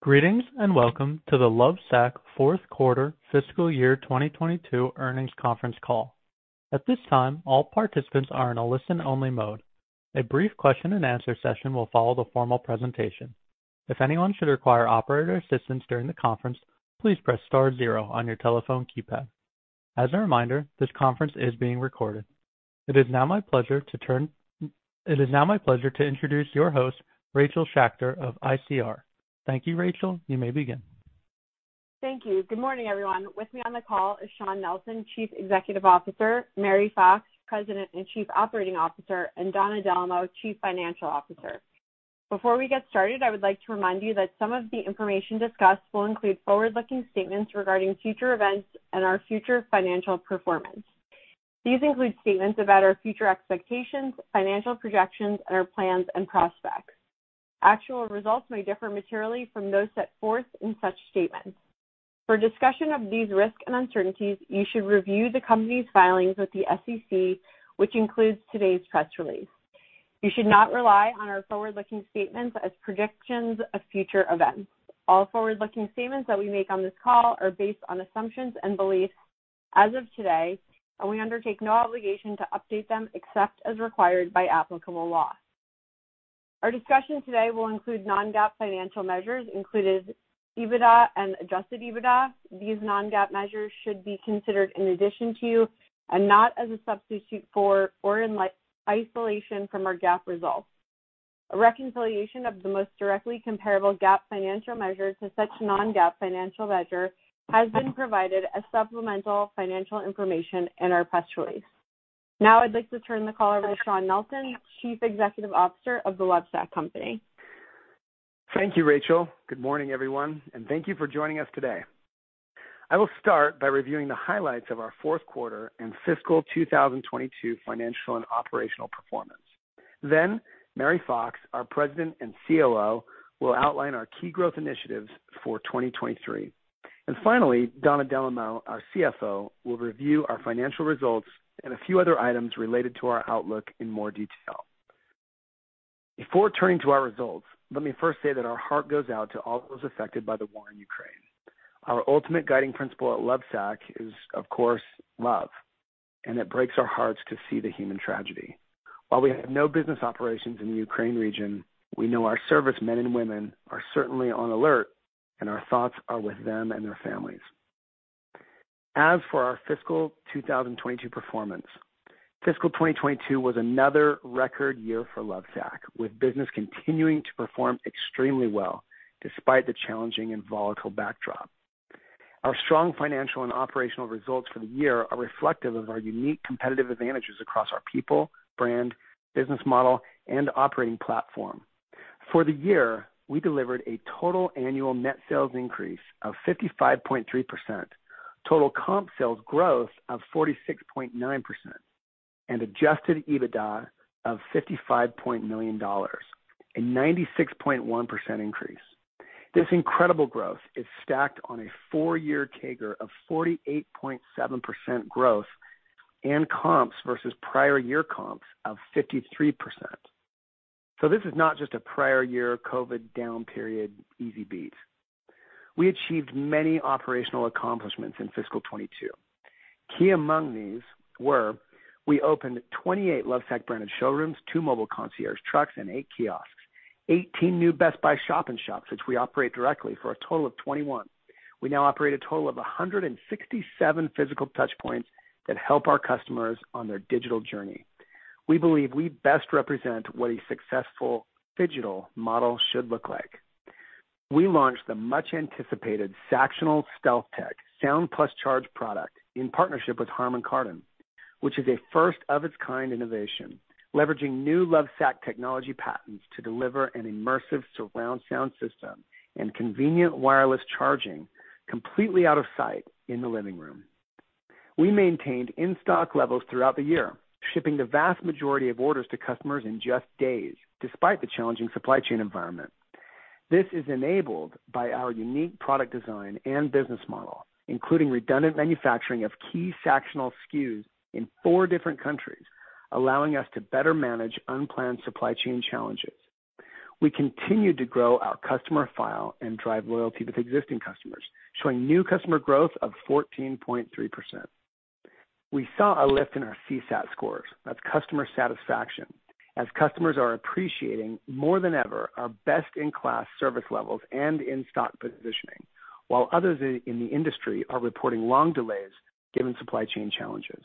Greetings, and welcome to the Lovesac Fourth Quarter Fiscal Year 2022 Earnings Conference Call. At this time, all participants are in a listen-only mode. A brief question-and-answer session will follow the formal presentation. If anyone should require operator assistance during the conference, please press star zero on your telephone keypad. As a reminder, this conference is being recorded. It is now my pleasure to introduce your host, Rachel Schachter of ICR. Thank you, Rachel. You may begin. Thank you. Good morning, everyone. With me on the call is Shawn Nelson, Chief Executive Officer, Mary Fox, President and Chief Operating Officer, and Donna Dellomo, Chief Financial Officer. Before we get started, I would like to remind you that some of the information discussed will include forward-looking statements regarding future events and our future financial performance. These include statements about our future expectations, financial projections, and our plans and prospects. Actual results may differ materially from those set forth in such statements. For discussion of these risks and uncertainties, you should review the company's filings with the SEC, which includes today's press release. You should not rely on our forward-looking statements as predictions of future events. All forward-looking statements that we make on this call are based on assumptions and beliefs as of today, and we undertake no obligation to update them except as required by applicable law. Our discussion today will include non-GAAP financial measures, including EBITDA and adjusted EBITDA. These non-GAAP measures should be considered in addition to and not as a substitute for or in isolation from our GAAP results. A reconciliation of the most directly comparable GAAP financial measures to such non-GAAP financial measure has been provided as supplemental financial information in our press release. Now I'd like to turn the call over to Shawn Nelson, Chief Executive Officer of The Lovesac Company. Thank you, Rachel. Good morning, everyone, and thank you for joining us today. I will start by reviewing the highlights of our fourth quarter and fiscal 2022 financial and operational performance. Then Mary Fox, our President and COO, will outline our key growth initiatives for 2023. Finally, Donna Dellomo, our CFO, will review our financial results and a few other items related to our outlook in more detail. Before turning to our results, let me first say that our heart goes out to all those affected by the war in Ukraine. Our ultimate guiding principle at Lovesac is, of course, love, and it breaks our hearts to see the human tragedy. While we have no business operations in the Ukraine region, we know our servicemen and women are certainly on alert, and our thoughts are with them and their families. As for our fiscal 2022 performance, fiscal 2022 was another record year for Lovesac, with business continuing to perform extremely well despite the challenging and volatile backdrop. Our strong financial and operational results for the year are reflective of our unique competitive advantages across our people, brand, business model, and operating platform. For the year, we delivered a total annual net sales increase of 55.3%, total comp sales growth of 46.9%, and adjusted EBITDA of $55-point million, a 96.1% increase. This incredible growth is stacked on a four-year CAGR of 48.7% growth and comps versus prior year comps of 53%. This is not just a prior year COVID down period easy beat. We achieved many operational accomplishments in fiscal 2022. Key among these were we opened 28 Lovesac branded showrooms, two mobile concierge trucks, and eight kiosks. 18 new Best Buy shop in shops, which we operate directly for a total of 21. We now operate a total of 167 physical touchpoints that help our customers on their digital journey. We believe we best represent what a successful digital model should look like. We launched the much anticipated Sactionals StealthTech Sound + Charge product in partnership with Harman Kardon, which is a first of its kind innovation, leveraging new Lovesac technology patents to deliver an immersive surround sound system and convenient wireless charging completely out of sight in the living room. We maintained in-stock levels throughout the year, shipping the vast majority of orders to customers in just days, despite the challenging supply chain environment. This is enabled by our unique product design and business model, including redundant manufacturing of key Sactionals SKUs in four different countries, allowing us to better manage unplanned supply chain challenges. We continued to grow our customer file and drive loyalty with existing customers, showing new customer growth of 14.3%. We saw a lift in our CSAT scores. That's customer satisfaction. As customers are appreciating more than ever our best-in-class service levels and in-stock positioning, while others in the industry are reporting long delays given supply chain challenges.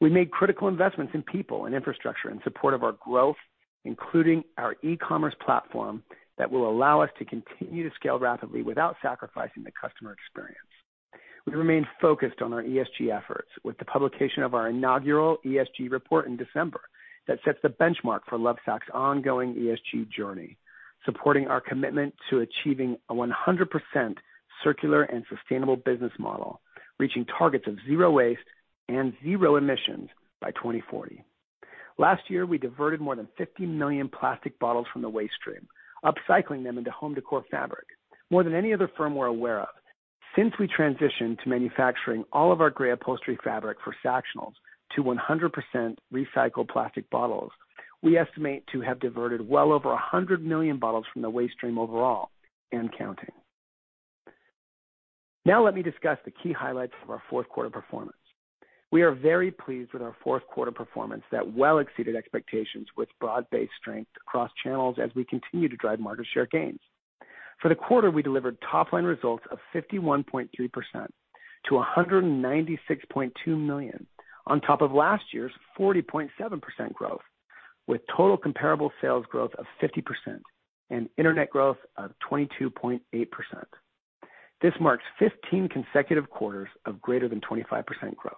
We made critical investments in people and infrastructure in support of our growth, including our e-commerce platform that will allow us to continue to scale rapidly without sacrificing the customer experience. We remain focused on our ESG efforts with the publication of our inaugural ESG report in December that sets the benchmark for Lovesac's ongoing ESG journey, supporting our commitment to achieving a 100% circular and sustainable business model, reaching targets of zero waste and zero emissions by 2040. Last year, we diverted more than 50 million plastic bottles from the waste stream, upcycling them into home decor fabric, more than any other firm we're aware of. Since we transitioned to manufacturing all of our gray upholstery fabric for Sactionals to 100% recycled plastic bottles, we estimate to have diverted well over 100 million bottles from the waste stream overall and counting. Now let me discuss the key highlights of our fourth quarter performance. We are very pleased with our fourth quarter performance that well exceeded expectations with broad-based strength across channels as we continue to drive market share gains. For the quarter, we delivered top-line results of 51.3% to $196.2 million on top of last year's 40.7% growth, with total comparable sales growth of 50% and internet growth of 22.8%. This marks 15 consecutive quarters of greater than 25% growth.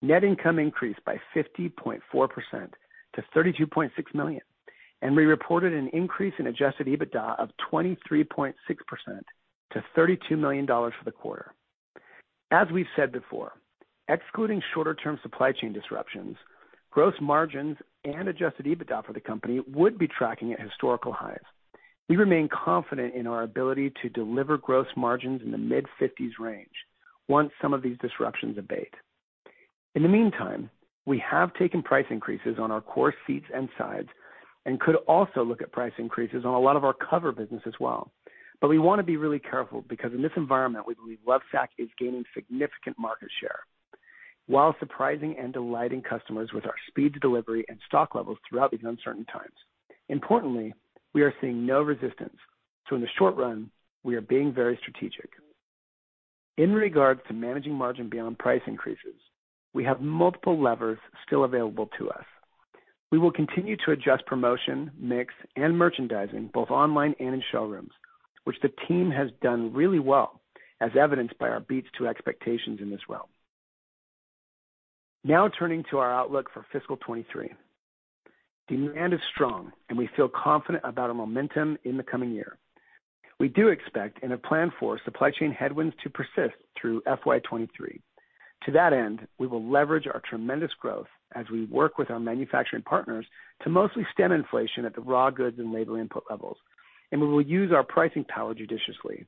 Net income increased by 50.4% to $32.6 million, and we reported an increase in adjusted EBITDA of 23.6% to $32 million for the quarter. As we've said before, excluding shorter-term supply chain disruptions, gross margins and adjusted EBITDA for the company would be tracking at historical highs. We remain confident in our ability to deliver gross margins in the mid-50s range once some of these disruptions abate. In the meantime, we have taken price increases on our core seats and sides and could also look at price increases on a lot of our cover business as well. We wanna be really careful because in this environment, we believe Lovesac is gaining significant market share, while surprising and delighting customers with our speed to delivery and stock levels throughout these uncertain times. Importantly, we are seeing no resistance, so in the short run, we are being very strategic. In regard to managing margin beyond price increases, we have multiple levers still available to us. We will continue to adjust promotion, mix, and merchandising both online and in showrooms, which the team has done really well, as evidenced by our beats to expectations in this realm. Now turning to our outlook for fiscal 2023. Demand is strong, and we feel confident about our momentum in the coming year. We do expect and have planned for supply chain headwinds to persist through FY 2023. To that end, we will leverage our tremendous growth as we work with our manufacturing partners to mostly stem inflation at the raw goods and labor input levels, and we will use our pricing power judiciously.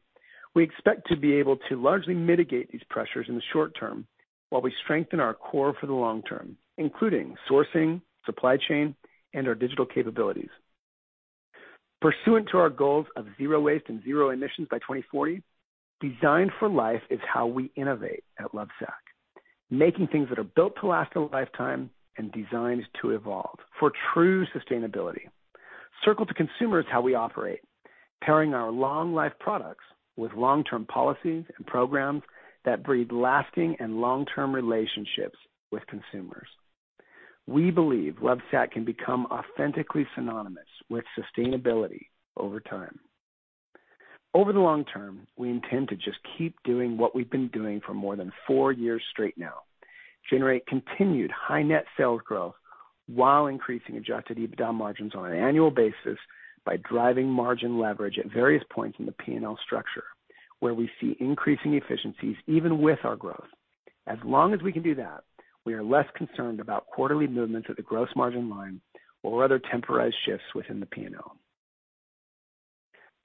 We expect to be able to largely mitigate these pressures in the short term while we strengthen our core for the long term, including sourcing, supply chain, and our digital capabilities. Pursuant to our goals of zero waste and zero emissions by 2024, Designed for Life is how we innovate at Lovesac, making things that are built to last a lifetime and designed to evolve for true sustainability. Circle to Consumer is how we operate, pairing our long-life products with long-term policies and programs that breed lasting and long-term relationships with consumers. We believe Lovesac can become authentically synonymous with sustainability over time. Over the long term, we intend to just keep doing what we've been doing for more than four years straight now, generate continued high net sales growth while increasing adjusted EBITDA margins on an annual basis by driving margin leverage at various points in the P&L structure where we see increasing efficiencies even with our growth. As long as we can do that, we are less concerned about quarterly movements of the gross margin line or other temporized shifts within the P&L.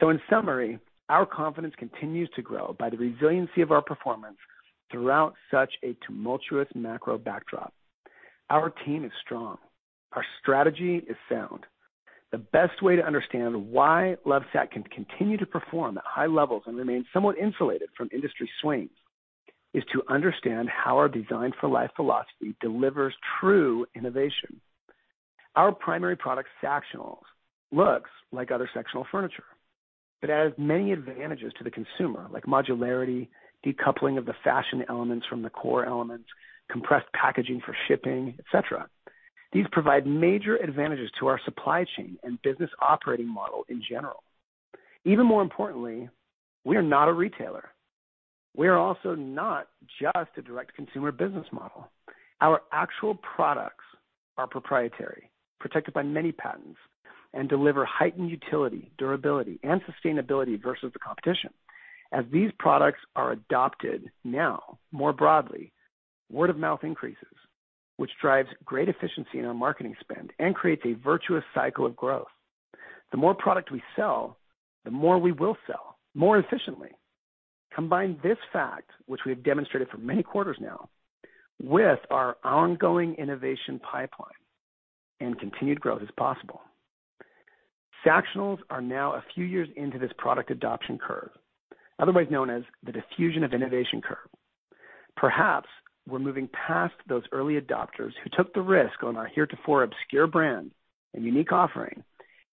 In summary, our confidence continues to grow by the resiliency of our performance throughout such a tumultuous macro backdrop. Our team is strong. Our strategy is sound. The best way to understand why Lovesac can continue to perform at high levels and remain somewhat insulated from industry swings is to understand how our Designed for Life philosophy delivers true innovation. Our primary product, Sactionals, looks like other sectional furniture, but adds many advantages to the consumer, like modularity, decoupling of the fashion elements from the core elements, compressed packaging for shipping, et cetera. These provide major advantages to our supply chain and business operating model in general. Even more importantly, we are not a retailer. We are also not just a direct-to-consumer business model. Our actual products are proprietary, protected by many patents, and deliver heightened utility, durability, and sustainability versus the competition. As these products are adopted now more broadly, word of mouth increases, which drives great efficiency in our marketing spend and creates a virtuous cycle of growth. The more product we sell, the more we will sell more efficiently. Combine this fact, which we have demonstrated for many quarters now, with our ongoing innovation pipeline, and continued growth is possible. Sactionals are now a few years into this product adoption curve, otherwise known as the diffusion of innovation curve. Perhaps we're moving past those early adopters who took the risk on our heretofore obscure brand and unique offering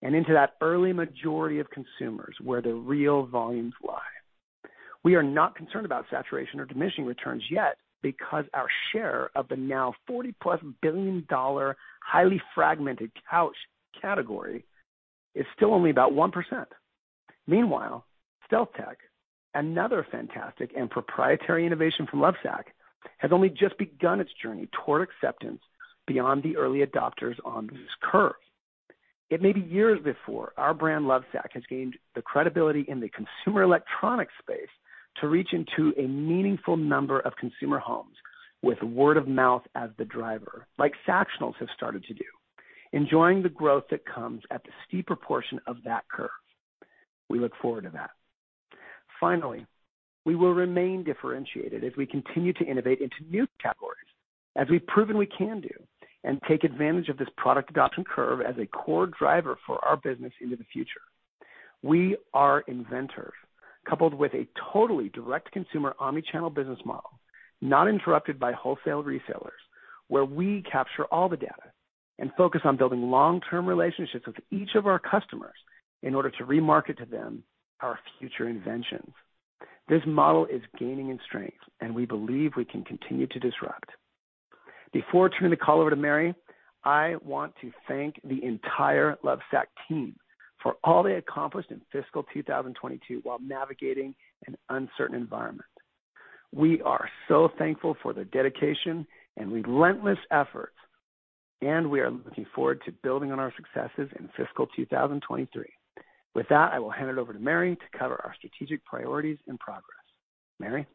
and into that early majority of consumers where the real volumes lie. We are not concerned about saturation or diminishing returns yet because our share of the now $40+ billion-dollar, highly fragmented couch category is still only about 1%. Meanwhile, StealthTech, another fantastic and proprietary innovation from Lovesac, has only just begun its journey toward acceptance beyond the early adopters on this curve. It may be years before our brand, Lovesac, has gained the credibility in the consumer electronics space to reach into a meaningful number of consumer homes with word of mouth as the driver, like Sactionals have started to do, enjoying the growth that comes at the steeper portion of that curve. We look forward to that. Finally, we will remain differentiated as we continue to innovate into new categories as we've proven we can do, and take advantage of this product adoption curve as a core driver for our business into the future. We are inventors, coupled with a totally direct consumer omni-channel business model, not interrupted by wholesale resellers, where we capture all the data and focus on building long-term relationships with each of our customers in order to remarket to them our future inventions. This model is gaining in strength, and we believe we can continue to disrupt. Before turning the call over to Mary, I want to thank the entire Lovesac team for all they accomplished in fiscal 2022 while navigating an uncertain environment. We are so thankful for their dedication and relentless efforts, and we are looking forward to building on our successes in fiscal 2023. With that, I will hand it over to Mary to cover our strategic priorities and progress. Mary.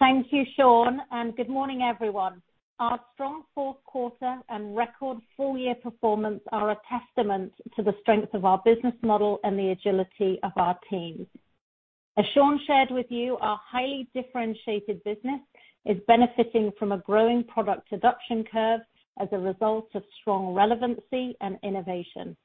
Thank you, Shawn, and good morning, everyone. Our strong fourth quarter and record full-year performance are a testament to the strength of our business model and the agility of our team. As Shawn shared with you, our highly differentiated business is benefiting from a growing product adoption curve as a result of strong relevancy and innovation.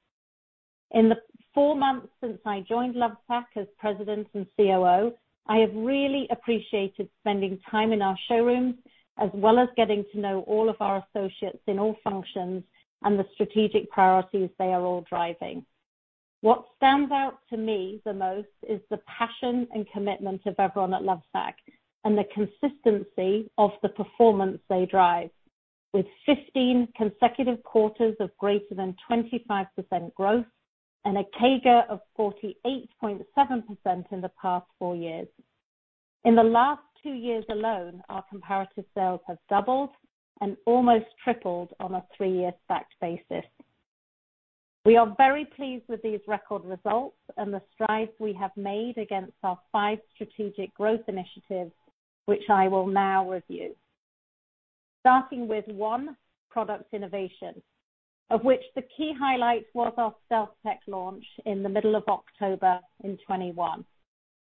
In the four months since I joined Lovesac as President and COO, I have really appreciated spending time in our showrooms, as well as getting to know all of our associates in all functions and the strategic priorities they are all driving. What stands out to me the most is the passion and commitment of everyone at Lovesac and the consistency of the performance they drive. With 15 consecutive quarters of greater than 25% growth and a CAGR of 48.7% in the past four years. In the last two years alone, our comparable sales have doubled and almost tripled on a three-year stacked basis. We are very pleased with these record results and the strides we have made against our five strategic growth initiatives, which I will now review. Starting with one, product innovation, of which the key highlight was our StealthTech launch in the middle of October in 2021.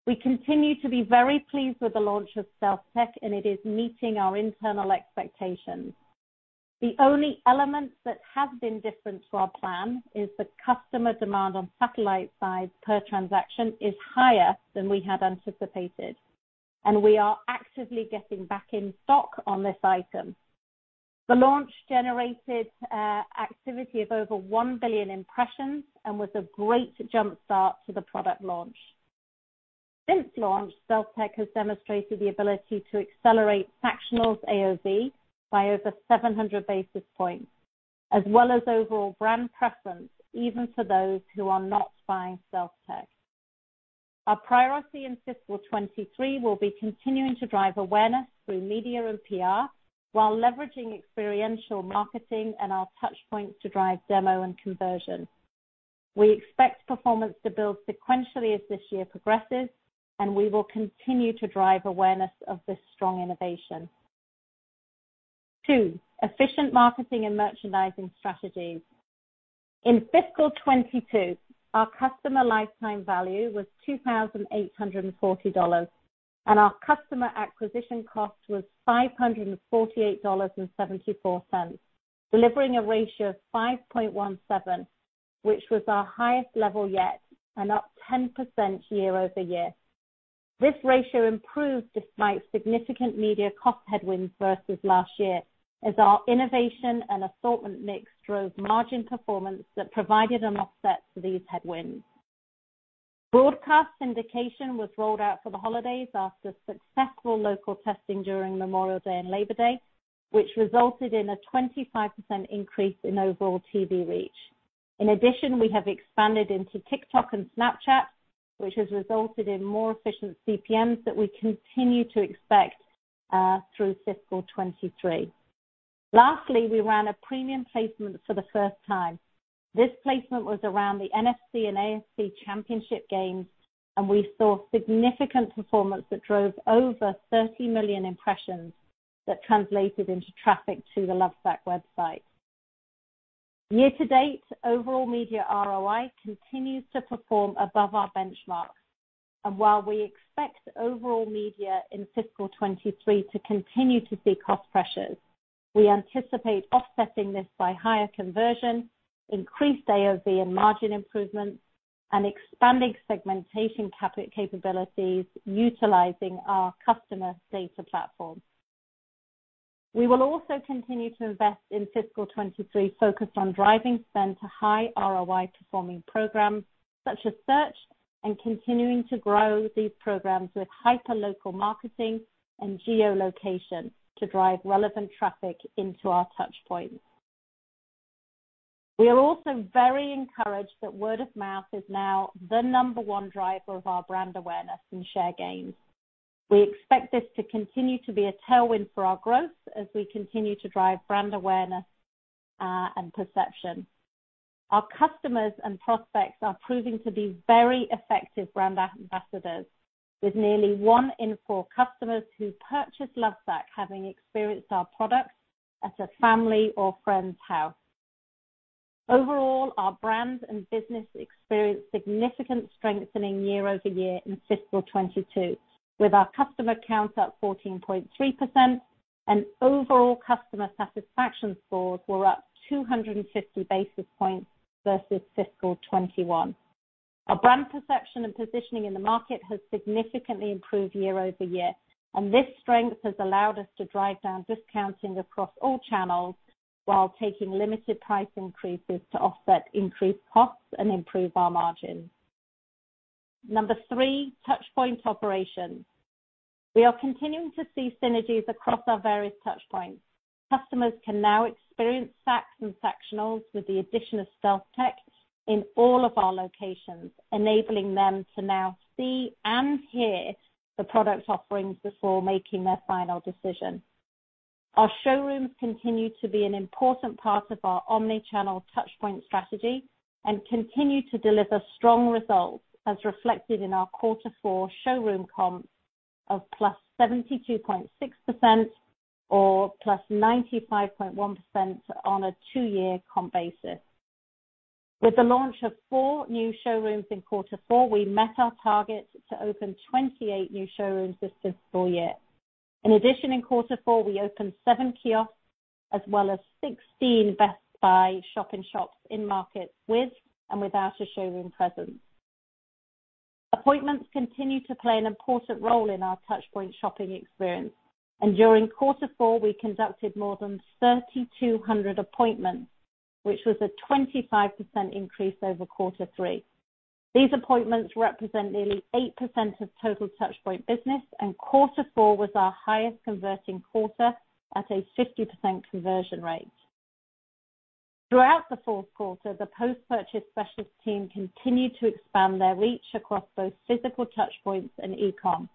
We continue to be very pleased with the launch of StealthTech, and it is meeting our internal expectations. The only elements that have been different to our plan is the customer demand on satellite side per transaction is higher than we had anticipated, and we are actively getting back in stock on this item. The launch generated activity of over 1 billion impressions and was a great jump-start to the product launch. Since launch, StealthTech has demonstrated the ability to accelerate Sactionals AOV by over 700 basis points as well as overall brand preference, even for those who are not buying StealthTech. Our priority in fiscal 2023 will be continuing to drive awareness through media and PR, while leveraging experiential marketing and our touchpoints to drive demo and conversion. We expect performance to build sequentially as this year progresses, and we will continue to drive awareness of this strong innovation. Two, efficient marketing and merchandising strategies. In fiscal 2022, our customer lifetime value was $2,840, and our customer acquisition cost was $548.74, delivering a ratio of 5.17x, which was our highest level yet and up 10% year-over-year. This ratio improved despite significant media cost headwinds versus last year, as our innovation and assortment mix drove margin performance that provided an offset to these headwinds. Broadcast syndication was rolled out for the holidays after successful local testing during Memorial Day and Labor Day, which resulted in a 25% increase in overall TV reach. In addition, we have expanded into TikTok and Snapchat, which has resulted in more efficient CPMs that we continue to expect through fiscal 2023. Lastly, we ran a premium placement for the first time. This placement was around the NFC and AFC championship games, and we saw significant performance that drove over 30 million impressions that translated into traffic to the Lovesac website. Year-to-date, overall media ROI continues to perform above our benchmarks. While we expect overall media in fiscal 2023 to continue to see cost pressures, we anticipate offsetting this by higher conversion, increased AOV and margin improvements, and expanding segmentation capabilities utilizing our customer data platform. We will also continue to invest in fiscal 2023, focused on driving spend to high ROI performing programs such as Search, and continuing to grow these programs with hyperlocal marketing and geolocation to drive relevant traffic into our touchpoints. We are also very encouraged that word of mouth is now the number one driver of our brand awareness and share gains. We expect this to continue to be a tailwind for our growth as we continue to drive brand awareness, and perception. Our customers and prospects are proving to be very effective brand ambassadors with nearly one in four customers who purchase Lovesac having experienced our products at a family or friend's house. Overall, our brand and business experienced significant strengthening year-over-year in fiscal 2022, with our customer count up 14.3% and overall customer satisfaction scores up 250 basis points versus fiscal 2021. Our brand perception and positioning in the market has significantly improved year-over-year, and this strength has allowed us to drive down discounting across all channels while taking limited price increases to offset increased costs and improve our margins. Number three, touchpoint operations. We are continuing to see synergies across our various touchpoints. Customers can now experience Sacs and Sactionals with the addition of StealthTech in all of our locations, enabling them to now see and hear the product offerings before making their final decision. Our showrooms continue to be an important part of our omni-channel touchpoint strategy and continue to deliver strong results, as reflected in our quarter four showroom comps of +72.6% or +95.1% on a two-year comp basis. With the launch of four new showrooms in quarter four, we met our target to open 28 new showrooms this fiscal year. In addition, in quarter four, we opened seven kiosks as well as 16 Best Buy shop-in-shops in markets with and without a showroom presence. Appointments continue to play an important role in our touchpoint shopping experience, and during quarter four, we conducted more than 3,200 appointments, which was a 25% increase over quarter three. These appointments represent nearly 8% of total touchpoint business, and quarter four was our highest converting quarter at a 50% conversion rate. Throughout the fourth quarter, the post-purchase specialist team continued to expand their reach across both physical touchpoints and e-com.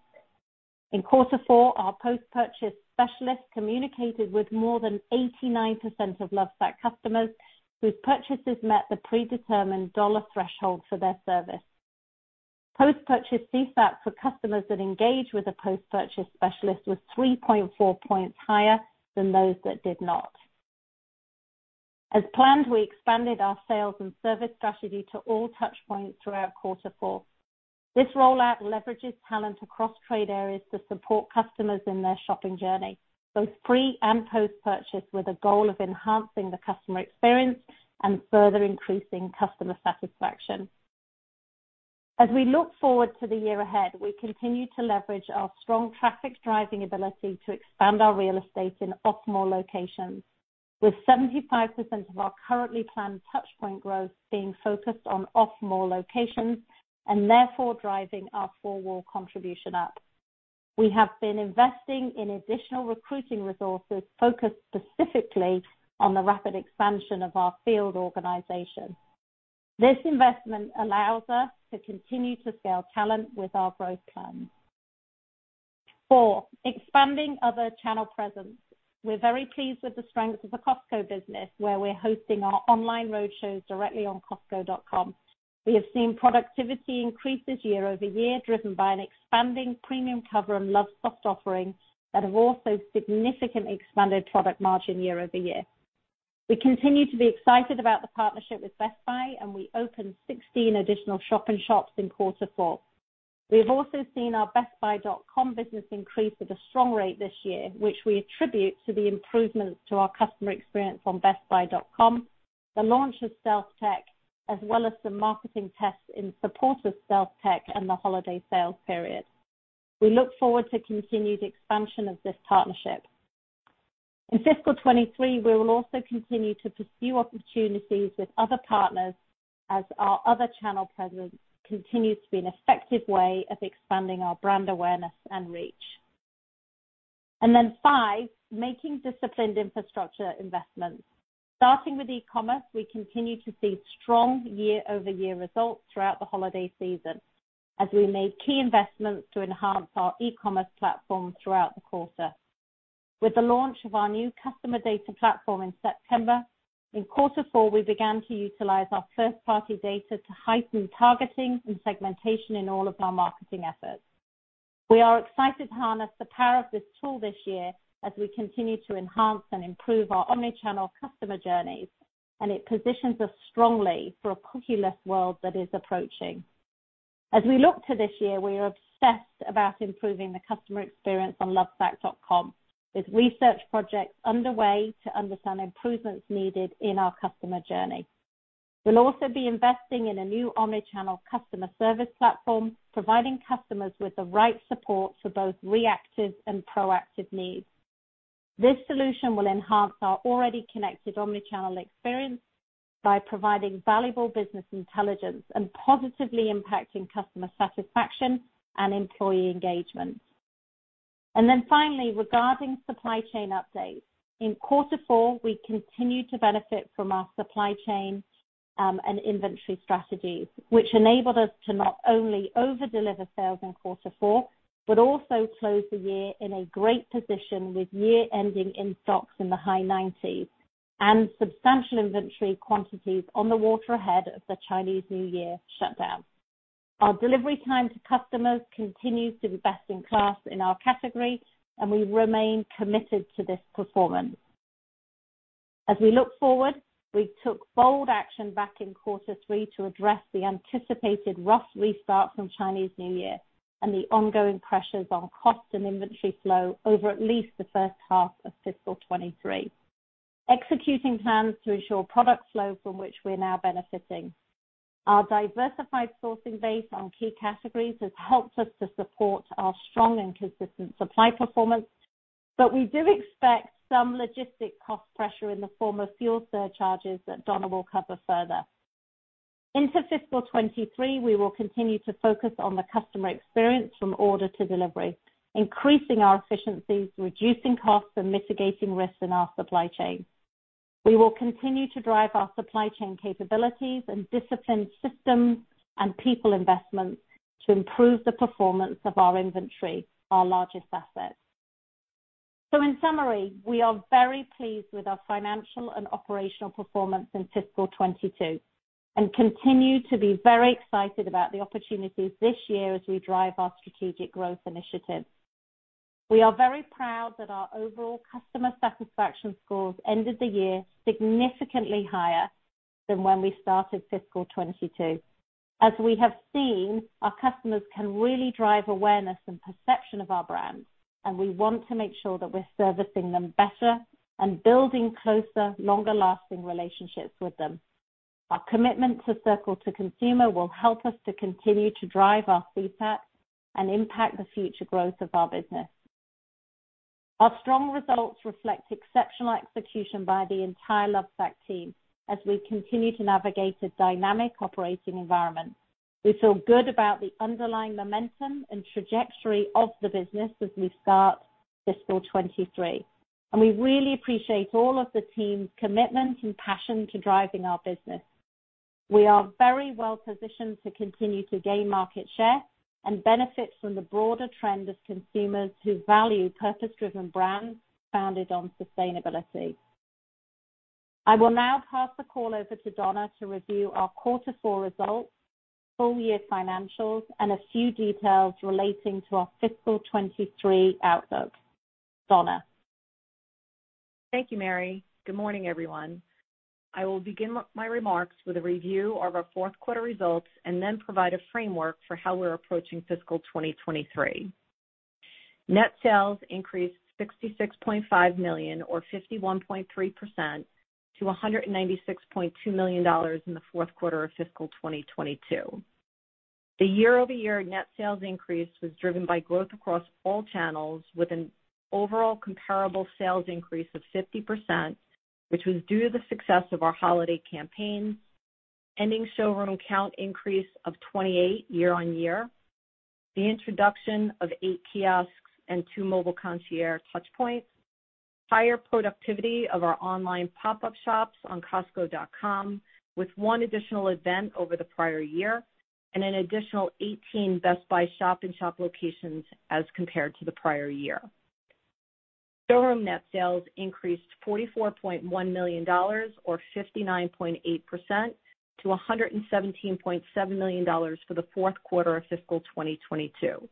In quarter four, our post-purchase specialists communicated with more than 89% of Lovesac customers whose purchases met the predetermined dollar threshold for their service. Post-purchase CSAT for customers that engage with a post-purchase specialist was 3.4 points higher than those that did not. As planned, we expanded our sales and service strategy to all touchpoints throughout quarter four. This rollout leverages talent across trade areas to support customers in their shopping journey, both pre and post-purchase, with a goal of enhancing the customer experience and further increasing customer satisfaction. As we look forward to the year ahead, we continue to leverage our strong traffic-driving ability to expand our real estate in off-mall locations. With 75% of our currently planned touchpoint growth being focused on off-mall locations and therefore driving our four wall contribution up. We have been investing in additional recruiting resources focused specifically on the rapid expansion of our field organization. This investment allows us to continue to scale talent with our growth plans. Four, expanding other channel presence. We're very pleased with the strength of the Costco business, where we're hosting our online roadshows directly on costco.com. We have seen productivity increases year-over-year, driven by an expanding premium cover and Lovesoft offerings that have also significantly expanded product margin year-over-year. We continue to be excited about the partnership with Best Buy, and we opened 16 additional shop-in-shops in quarter four. We have also seen our bestbuy.com business increase at a strong rate this year, which we attribute to the improvements to our customer experience on bestbuy.com, the launch of StealthTech, as well as some marketing tests in support of StealthTech and the holiday sales period. We look forward to continued expansion of this partnership. In fiscal 2023, we will also continue to pursue opportunities with other partners as our other channel presence continues to be an effective way of expanding our brand awareness and reach. Five, making disciplined infrastructure investments. Starting with e-commerce, we continue to see strong year-over-year results throughout the holiday season as we made key investments to enhance our e-commerce platform throughout the quarter. With the launch of our new customer data platform in September, in quarter four, we began to utilize our first-party data to heighten targeting and segmentation in all of our marketing efforts. We are excited to harness the power of this tool this year as we continue to enhance and improve our omni-channel customer journeys, and it positions us strongly for a cookieless world that is approaching. As we look to this year, we are obsessed about improving the customer experience on lovesac.com with research projects underway to understand improvements needed in our customer journey. We'll also be investing in a new omni-channel customer service platform, providing customers with the right support for both reactive and proactive needs. This solution will enhance our already connected omni-channel experience by providing valuable business intelligence and positively impacting customer satisfaction and employee engagement. Finally, regarding supply chain updates. In quarter four, we continued to benefit from our supply chain and inventory strategies, which enabled us to not only over-deliver sales in quarter four but also close the year in a great position with year-ending in-stocks in the high-90s and substantial inventory quantities on the water ahead of the Chinese New Year shutdown. Our delivery time to customers continues to be best in class in our category, and we remain committed to this performance. As we look forward, we took bold action back in quarter three to address the anticipated rough restart from Chinese New Year and the ongoing pressures on cost and inventory flow over at least the first half of fiscal 2023. Executing plans to ensure product flow from which we're now benefiting. Our diversified sourcing base on key categories has helped us to support our strong and consistent supply performance. We do expect some logistic cost pressure in the form of fuel surcharges that Donna will cover further. Into fiscal 2023, we will continue to focus on the customer experience from order to delivery, increasing our efficiencies, reducing costs, and mitigating risks in our supply chain. We will continue to drive our supply chain capabilities and disciplined systems and people investments to improve the performance of our inventory, our largest asset. In summary, we are very pleased with our financial and operational performance in fiscal 2022 and continue to be very excited about the opportunities this year as we drive our strategic growth initiatives. We are very proud that our overall customer satisfaction scores ended the year significantly higher than when we started fiscal 2022. As we have seen, our customers can really drive awareness and perception of our brands, and we want to make sure that we're servicing them better and building closer, longer lasting relationships with them. Our commitment to Circle to Consumer will help us to continue to drive our CSAT and impact the future growth of our business. Our strong results reflect exceptional execution by the entire Lovesac team as we continue to navigate a dynamic operating environment. We feel good about the underlying momentum and trajectory of the business as we start fiscal 2023, and we really appreciate all of the team's commitment and passion to driving our business. We are very well positioned to continue to gain market share and benefit from the broader trend of consumers who value purpose-driven brands founded on sustainability. I will now pass the call over to Donna to review our quarter four results, full year financials, and a few details relating to our fiscal 2023 outlook. Donna. Thank you, Mary. Good morning, everyone. I will begin my remarks with a review of our fourth quarter results and then provide a framework for how we're approaching fiscal 2023. Net sales increased $66.5 million or 51.3% to $196.2 million in the fourth quarter of fiscal 2022. The year-over-year net sales increase was driven by growth across all channels with an overall comparable sales increase of 50%, which was due to the success of our holiday campaign, ending showroom count increase of 28 year-on-year, the introduction of eight kiosks and two mobile concierge touchpoints, higher productivity of our online pop-up shops on costco.com, with one additional event over the prior year and an additional 18 Best Buy shop-in-shop locations as compared to the prior year. Showroom net sales increased $44.1 million or 59.8% to $117.7 million for the fourth quarter of fiscal 2022.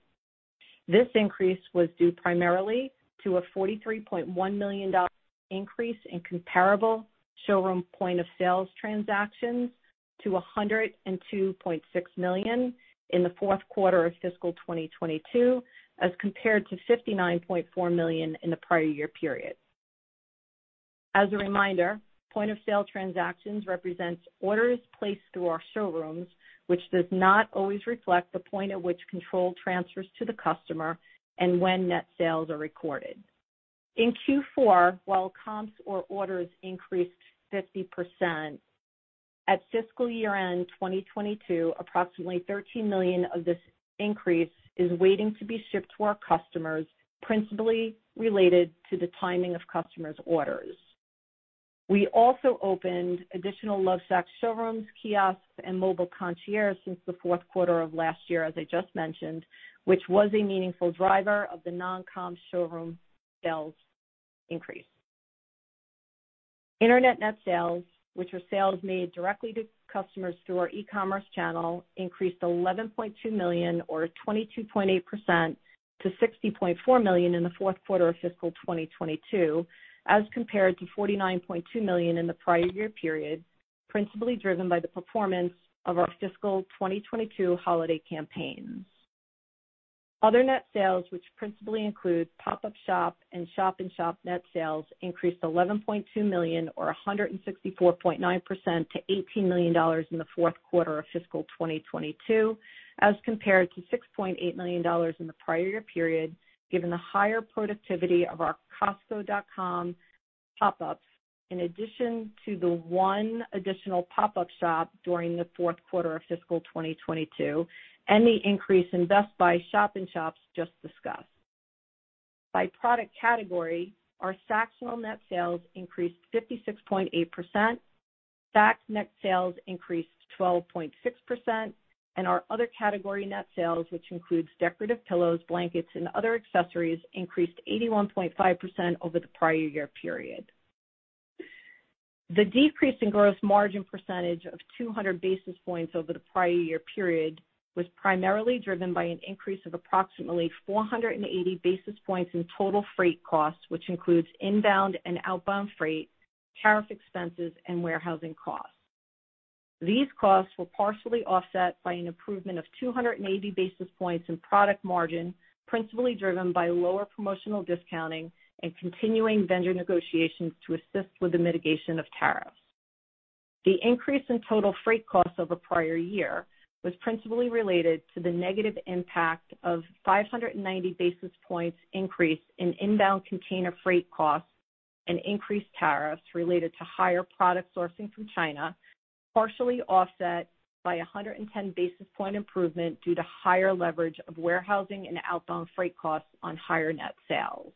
This increase was due primarily to a $43.1 million increase in comparable showroom point of sales transactions to $102.6 million in the fourth quarter of fiscal 2022, as compared to $59.4 million in the prior year period. As a reminder, point of sale transactions represents orders placed through our showrooms, which does not always reflect the point at which control transfers to the customer and when net sales are recorded. In Q4, while comps or orders increased 50% at fiscal year-end 2022, approximately $13 million of this increase is waiting to be shipped to our customers, principally related to the timing of customers' orders. We also opened additional Lovesac showrooms, kiosks, and mobile concierge since the fourth quarter of last year, as I just mentioned, which was a meaningful driver of the non-comp showroom sales increase. Internet net sales, which were sales made directly to customers through our e-commerce channel, increased $11.2 million or 22.8% to $60.4 million in the fourth quarter of fiscal 2022, as compared to $49.2 million in the prior year period, principally driven by the performance of our fiscal 2022 holiday campaigns. Other net sales, which principally include pop-up shop and shop-in-shop net sales, increased $11.2 million or 164.9% to $18 million in the fourth quarter of fiscal 2022, as compared to $6.8 million in the prior year period, given the higher productivity of our costco.com pop-ups, in addition to the one additional pop-up shop during the fourth quarter of fiscal 2022, and the increase in Best Buy shop-in-shops just discussed. By product category, our Sactionals net sales increased 56.8%, Sacs net sales increased 12.6%, and our other category net sales, which includes decorative pillows, blankets, and other accessories, increased 81.5% over the prior year period. The decrease in gross margin percentage of 200 basis points over the prior year period was primarily driven by an increase of approximately 480 basis points in total freight costs, which includes inbound and outbound freight, tariff expenses and warehousing costs. These costs were partially offset by an improvement of 280 basis points in product margin, principally driven by lower promotional discounting and continuing vendor negotiations to assist with the mitigation of tariffs. The increase in total freight costs over prior year was principally related to the negative impact of 590 basis points increase in inbound container freight costs and increased tariffs related to higher product sourcing from China, partially offset by a 110 basis point improvement due to higher leverage of warehousing and outbound freight costs on higher net sales.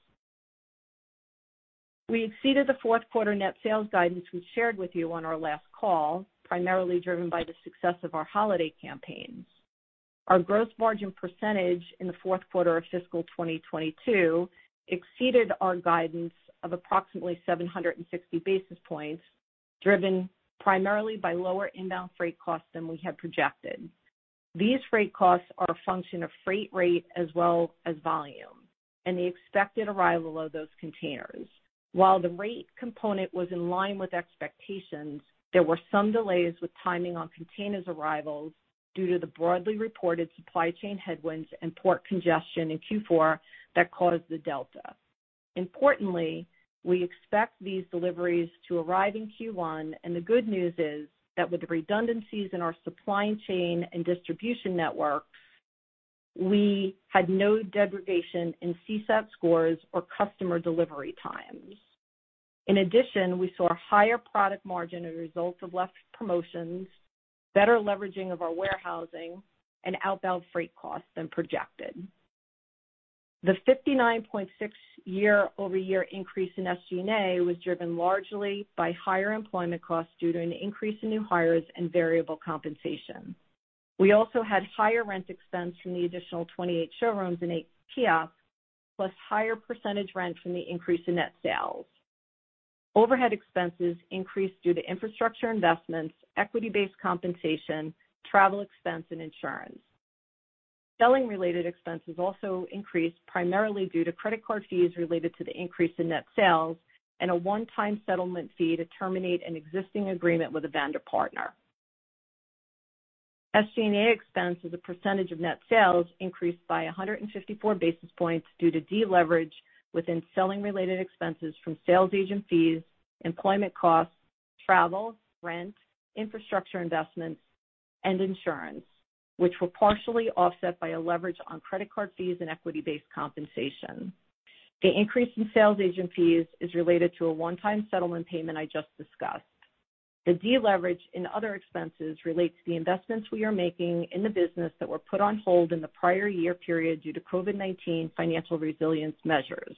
We exceeded the fourth quarter net sales guidance we shared with you on our last call, primarily driven by the success of our holiday campaigns. Our gross margin percentage in the fourth quarter of fiscal 2022 exceeded our guidance of approximately 760 basis points, driven primarily by lower inbound freight costs than we had projected. These freight costs are a function of freight rate as well as volume and the expected arrival of those containers. While the rate component was in line with expectations, there were some delays with timing on containers arrivals due to the broadly reported supply chain headwinds and port congestion in Q4 that caused the delta. Importantly, we expect these deliveries to arrive in Q1, and the good news is that with the redundancies in our supply chain and distribution network, we had no degradation in CSAT scores or customer delivery times. In addition, we saw higher product margin as a result of less promotions, better leveraging of our warehousing and outbound freight costs than projected. The 59.6% year-over-year increase in SG&A was driven largely by higher employment costs due to an increase in new hires and variable compensation. We also had higher rent expense from the additional 28 showrooms and eight kiosks, plus higher percentage rent from the increase in net sales. Overhead expenses increased due to infrastructure investments, equity-based compensation, travel expense and insurance. Selling related expenses also increased primarily due to credit card fees related to the increase in net sales and a one-time settlement fee to terminate an existing agreement with a vendor partner. SG&A expense as a percentage of net sales increased by 154 basis points due to deleverage within selling related expenses from sales agent fees, employment costs, travel, rent, infrastructure investments and insurance, which were partially offset by a leverage on credit card fees and equity-based compensation. The increase in sales agent fees is related to a one-time settlement payment I just discussed. The deleverage in other expenses relate to the investments we are making in the business that were put on hold in the prior year period due to COVID-19 financial resilience measures.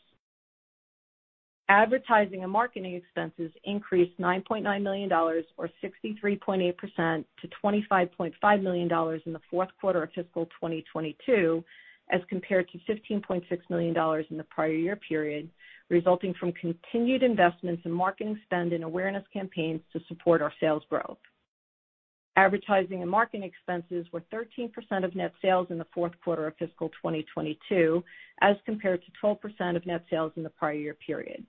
Advertising and marketing expenses increased $9.9 million or 63.8% to $25.5 million in the fourth quarter of fiscal 2022 as compared to $15.6 million in the prior year period, resulting from continued investments in marketing spend and awareness campaigns to support our sales growth. Advertising and marketing expenses were 13% of net sales in the fourth quarter of fiscal 2022 as compared to 12% of net sales in the prior year period.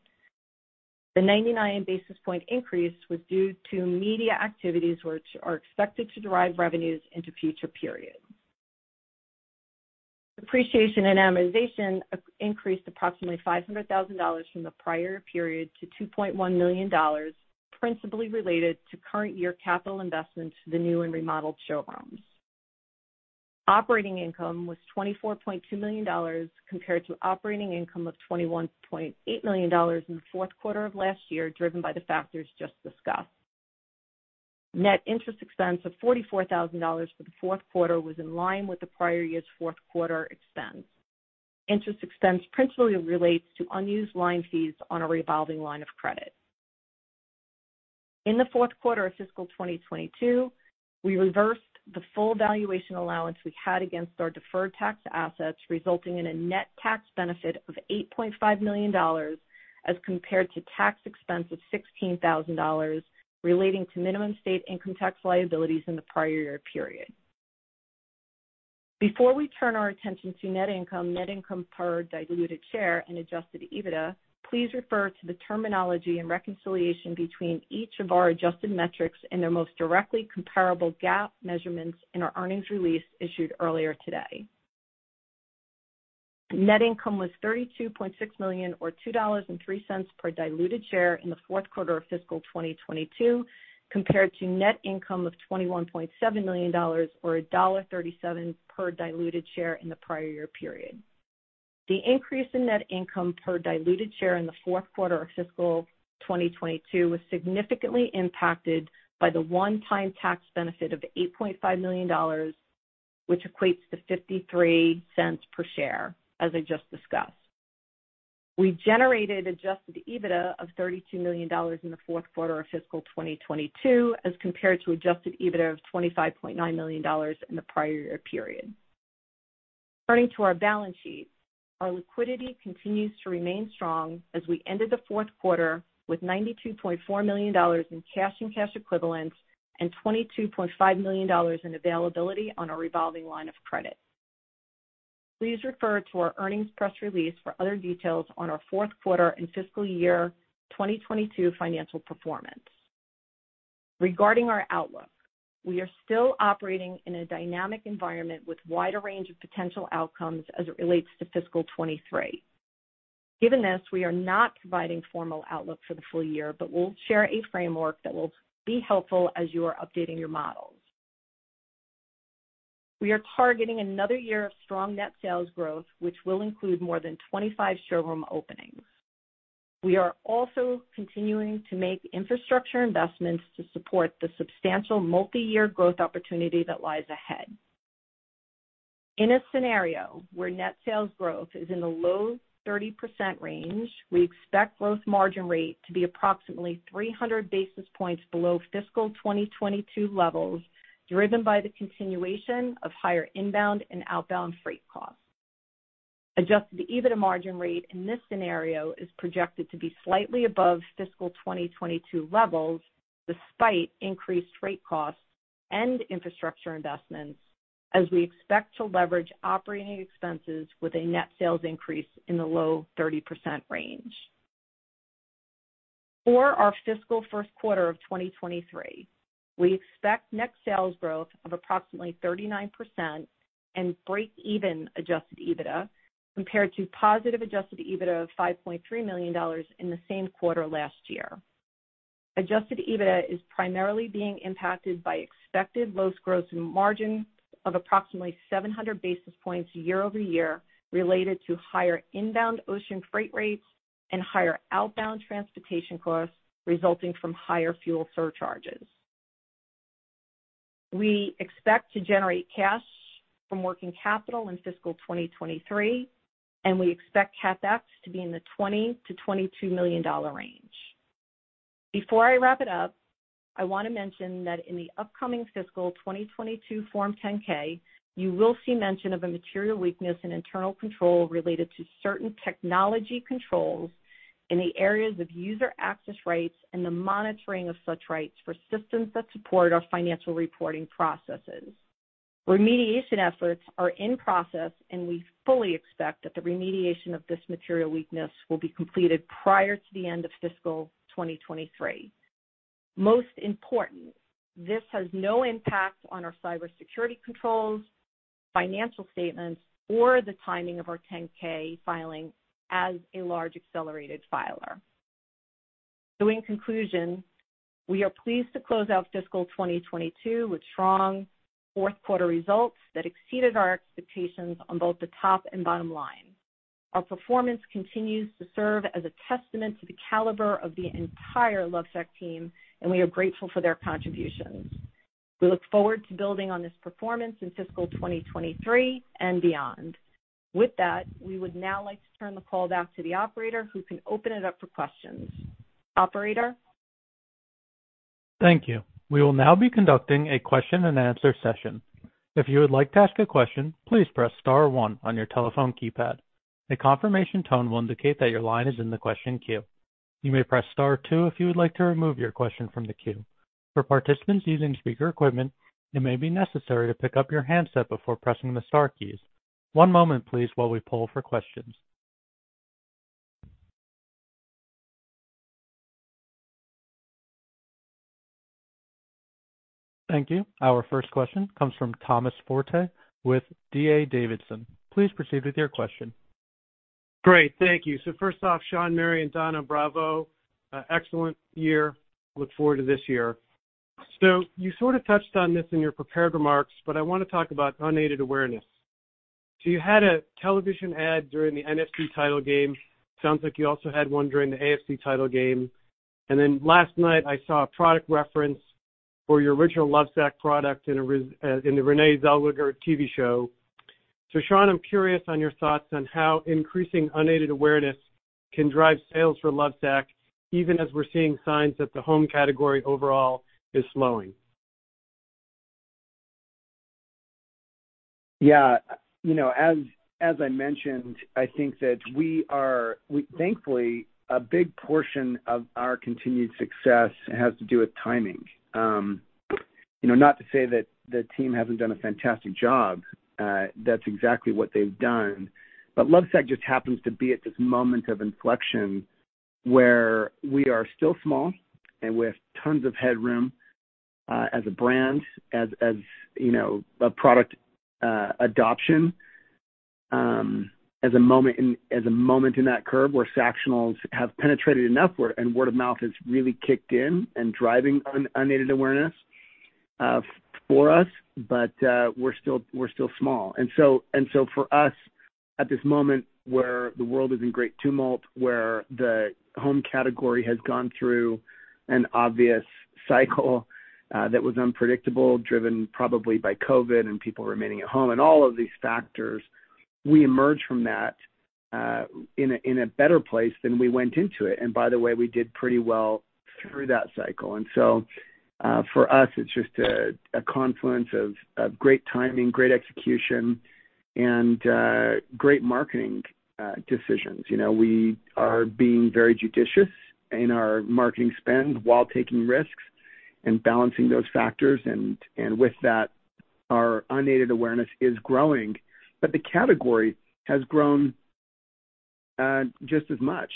The 99 basis point increase was due to media activities which are expected to derive revenues into future periods. Depreciation and amortization increased approximately $500,000 from the prior period to $2.1 million, principally related to current year capital investments to the new and remodeled showrooms. Operating income was $24.2 million compared to operating income of $21.8 million in the fourth quarter of last year, driven by the factors just discussed. Net interest expense of $44,000 for the fourth quarter was in line with the prior year's fourth quarter expense. Interest expense principally relates to unused line fees on a revolving line of credit. In the fourth quarter of fiscal 2022, we reversed the full valuation allowance we had against our deferred tax assets, resulting in a net tax benefit of $8.5 million as compared to tax expense of $16,000 relating to minimum state income tax liabilities in the prior year period. Before we turn our attention to net income, net income per diluted share and adjusted EBITDA, please refer to the terminology and reconciliation between each of our adjusted metrics and their most directly comparable GAAP measurements in our earnings release issued earlier today. Net income was $32.6 million or $2.03 per diluted share in the fourth quarter of fiscal 2022 compared to net income of $21.7 million or $1.37 per diluted share in the prior year period. The increase in net income per diluted share in the fourth quarter of fiscal 2022 was significantly impacted by the one-time tax benefit of $8.5 million, which equates to $0.53 per share, as I just discussed. We generated adjusted EBITDA of $32 million in the fourth quarter of fiscal 2022 as compared to adjusted EBITDA of $25.9 million in the prior year period. Turning to our balance sheet, our liquidity continues to remain strong as we ended the fourth quarter with $92.4 million in cash and cash equivalents and $22.5 million in availability on our revolving line of credit. Please refer to our earnings press release for other details on our fourth quarter and fiscal year 2022 financial performance. Regarding our outlook, we are still operating in a dynamic environment with wide range of potential outcomes as it relates to fiscal 2023. Given this, we are not providing formal outlook for the full year, but we'll share a framework that will be helpful as you are updating your models. We are targeting another year of strong net sales growth, which will include more than 25 showroom openings. We are also continuing to make infrastructure investments to support the substantial multi-year growth opportunity that lies ahead. In a scenario where net sales growth is in the low 30% range, we expect gross margin rate to be approximately 300 basis points below fiscal 2022 levels, driven by the continuation of higher inbound and outbound freight costs. Adjusted EBITDA margin rate in this scenario is projected to be slightly above fiscal 2022 levels despite increased freight costs and infrastructure investments as we expect to leverage operating expenses with a net sales increase in the low 30% range. For our fiscal first quarter of 2023, we expect net sales growth of approximately 39% and breakeven adjusted EBITDA compared to positive adjusted EBITDA of $5.3 million in the same quarter last year. Adjusted EBITDA is primarily being impacted by expected low gross margin of approximately 700 basis points year-over-year related to higher inbound ocean freight rates and higher outbound transportation costs resulting from higher fuel surcharges. We expect to generate cash from working capital in fiscal 2023, and we expect CapEx to be in the $20 million-$22 million range. Before I wrap it up, I want to mention that in the upcoming fiscal 2022 Form 10-K, you will see mention of a material weakness in internal control related to certain technology controls in the areas of user access rights and the monitoring of such rights for systems that support our financial reporting processes. Remediation efforts are in process, and we fully expect that the remediation of this material weakness will be completed prior to the end of fiscal 2023. Most important, this has no impact on our cybersecurity controls, financial statements, or the timing of our 10-K filing as a large accelerated filer. In conclusion, we are pleased to close out fiscal 2022 with strong fourth quarter results that exceeded our expectations on both the top and bottom line. Our performance continues to serve as a testament to the caliber of the entire Lovesac team, and we are grateful for their contributions. We look forward to building on this performance in fiscal 2023 and beyond. With that, we would now like to turn the call back to the operator who can open it up for questions. Operator. Thank you. We will now be conducting a question-and-answer session. If you would like to ask a question, please press star one on your telephone keypad. A confirmation tone will indicate that your line is in the question queue. You may press star two if you would like to remove your question from the queue. For participants using speaker equipment, it may be necessary to pick up your handset before pressing the star keys. One moment please while we poll for questions. Thank you. Our first question comes from Thomas Forte with D.A. Davidson. Please proceed with your question. Great. Thank you. First off, Shawn, Mary, and Donna, bravo. Excellent year. Look forward to this year. You sort of touched on this in your prepared remarks, but I want to talk about unaided awareness. You had a television ad during the NFC title game. Sounds like you also had one during the AFC title game. Then last night I saw a product reference for your original Lovesac product in the Renée Zellweger TV show. Shawn, I'm curious on your thoughts on how increasing unaided awareness can drive sales for Lovesac, even as we're seeing signs that the home category overall is slowing. Yeah. You know, as I mentioned, I think that we thankfully, a big portion of our continued success has to do with timing. You know, not to say that the team hasn't done a fantastic job, that's exactly what they've done. Lovesac just happens to be at this moment of inflection where we are still small and we have tons of headroom, as a brand, as you know, a product, adoption, as a moment in that curve where Sactionals have penetrated enough where and word of mouth has really kicked in and driving unaided awareness, for us. We're still small. For us at this moment where the world is in great tumult, where the home category has gone through an obvious cycle, that was unpredictable, driven probably by COVID and people remaining at home and all of these factors, we emerge from that. In a better place than we went into it. By the way, we did pretty well through that cycle. For us, it's just a confluence of great timing, great execution, and great marketing decisions. You know, we are being very judicious in our marketing spend while taking risks and balancing those factors. With that, our unaided awareness is growing, but the category has grown just as much.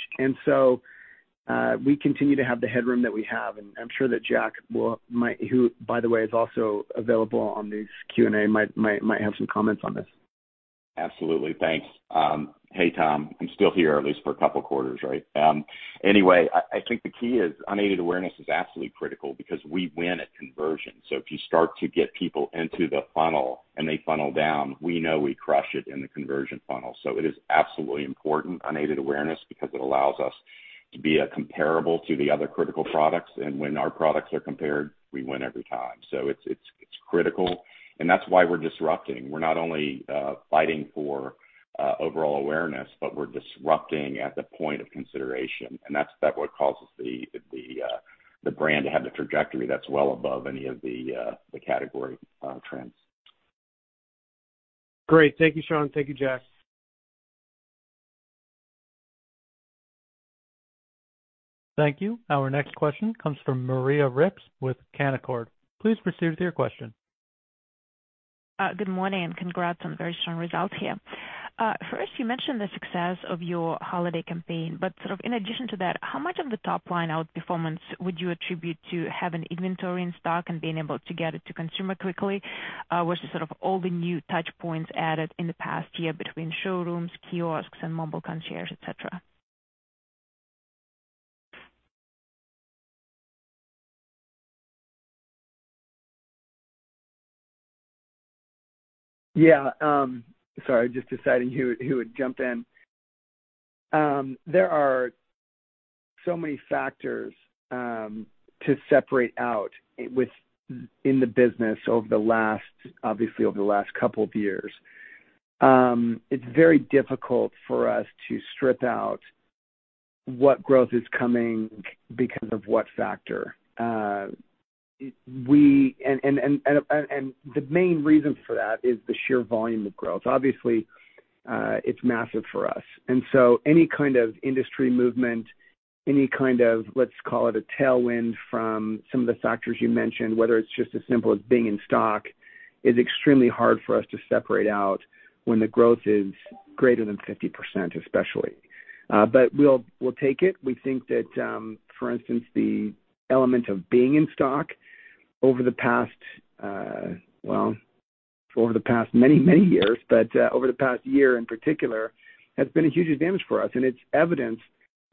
We continue to have the headroom that we have. I'm sure that Jack, who, by the way, is also available on this Q&A, might have some comments on this. Absolutely. Thanks. Hey, Tom. I'm still here at least for a couple quarters, right? Anyway, I think the key is unaided awareness is absolutely critical because we win at conversion. If you start to get people into the funnel and they funnel down, we know we crush it in the conversion funnel. It is absolutely important, unaided awareness, because it allows us to be a comparable to the other critical products. When our products are compared, we win every time. It's critical, and that's why we're disrupting. We're not only fighting for overall awareness, but we're disrupting at the point of consideration, and that's what causes the brand to have the trajectory that's well above any of the category trends. Great. Thank you, Shawn. Thank you, Jack. Thank you. Our next question comes from Maria Ripps with Canaccord. Please proceed with your question. Good morning, and congrats on very strong results here. First you mentioned the success of your holiday campaign, but sort of in addition to that, how much of the top-line outperformance would you attribute to having inventory in stock and being able to get it to consumer quickly, versus sort of all the new touchpoints added in the past year between showrooms, kiosks and mobile concierges, et cetera? Yeah. Sorry, just deciding who would jump in. There are so many factors to separate out in the business over the last, obviously, over the last couple of years. It's very difficult for us to strip out what growth is coming because of what factor. The main reason for that is the sheer volume of growth. Obviously, it's massive for us. Any kind of industry movement, any kind of, let's call it a tailwind from some of the factors you mentioned, whether it's just as simple as being in stock, is extremely hard for us to separate out when the growth is greater than 50% especially. But we'll take it. We think that, for instance, the element of being in stock over the past, well, for the past many, many years, but, over the past year in particular, has been a huge advantage for us. It's evidence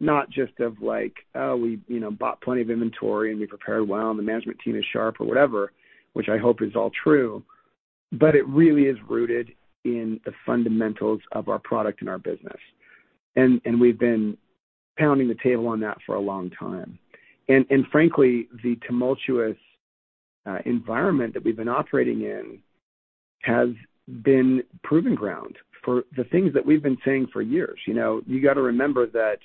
not just of like, oh, we, you know, bought plenty of inventory and we prepared well and the management team is sharp or whatever, which I hope is all true, but it really is rooted in the fundamentals of our product and our business. We've been pounding the table on that for a long time. Frankly, the tumultuous environment that we've been operating in has been proving ground for the things that we've been saying for years. You know, you got to remember that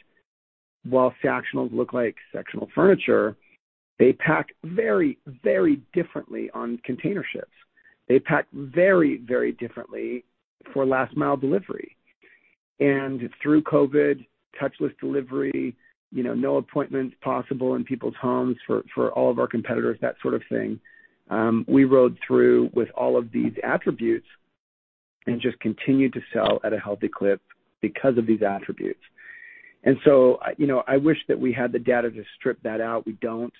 while Sactionals look like sectional furniture, they pack very, very differently on container ships. They pack very, very differently for last mile delivery. Through COVID, touchless delivery, you know, no appointments possible in people's homes for all of our competitors, that sort of thing, we rode through with all of these attributes and just continued to sell at a healthy clip because of these attributes. You know, I wish that we had the data to strip that out. We don't.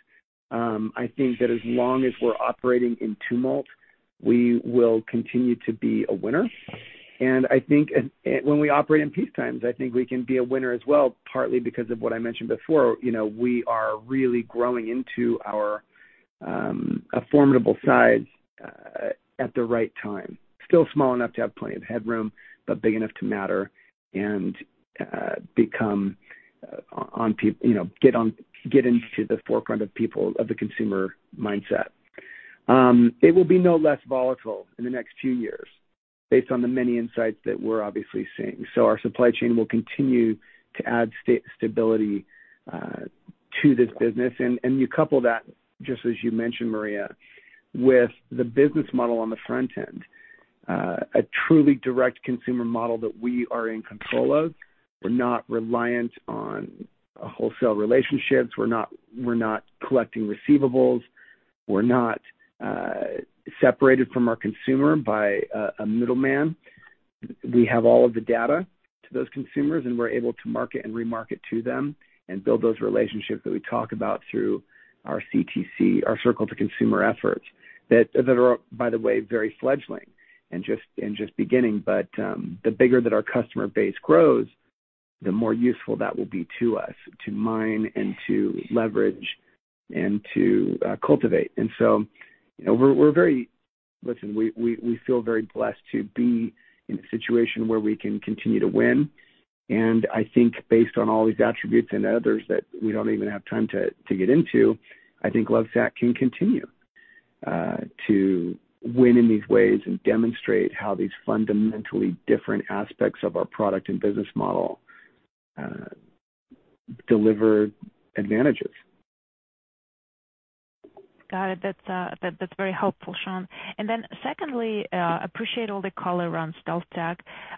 I think that as long as we're operating in tumult, we will continue to be a winner. I think when we operate in peace times, I think we can be a winner as well, partly because of what I mentioned before. You know, we are really growing into our a formidable size at the right time. Still small enough to have plenty of headroom, but big enough to matter and become, you know, get into the forefront of people, of the consumer mindset. It will be no less volatile in the next two years based on the many insights that we're obviously seeing. Our supply chain will continue to add stability to this business. You couple that, just as you mentioned, Maria, with the business model on the front end, a truly direct consumer model that we are in control of. We're not reliant on wholesale relationships. We're not collecting receivables. We're not separated from our consumer by a middleman. We have all of the data to those consumers, and we're able to market and remarket to them and build those relationships that we talk about through our CTC, our Circle to Consumer efforts that are, by the way, very fledgling and just beginning. The bigger that our customer base grows, the more useful that will be to us to mine and to leverage and to cultivate. Listen, we feel very blessed to be in a situation where we can continue to win. I think based on all these attributes and others that we don't even have time to get into, I think Lovesac can continue to win in these ways and demonstrate how these fundamentally different aspects of our product and business model deliver advantages. Got it. That's very helpful, Shawn. Secondly, appreciate all the color around StealthTech.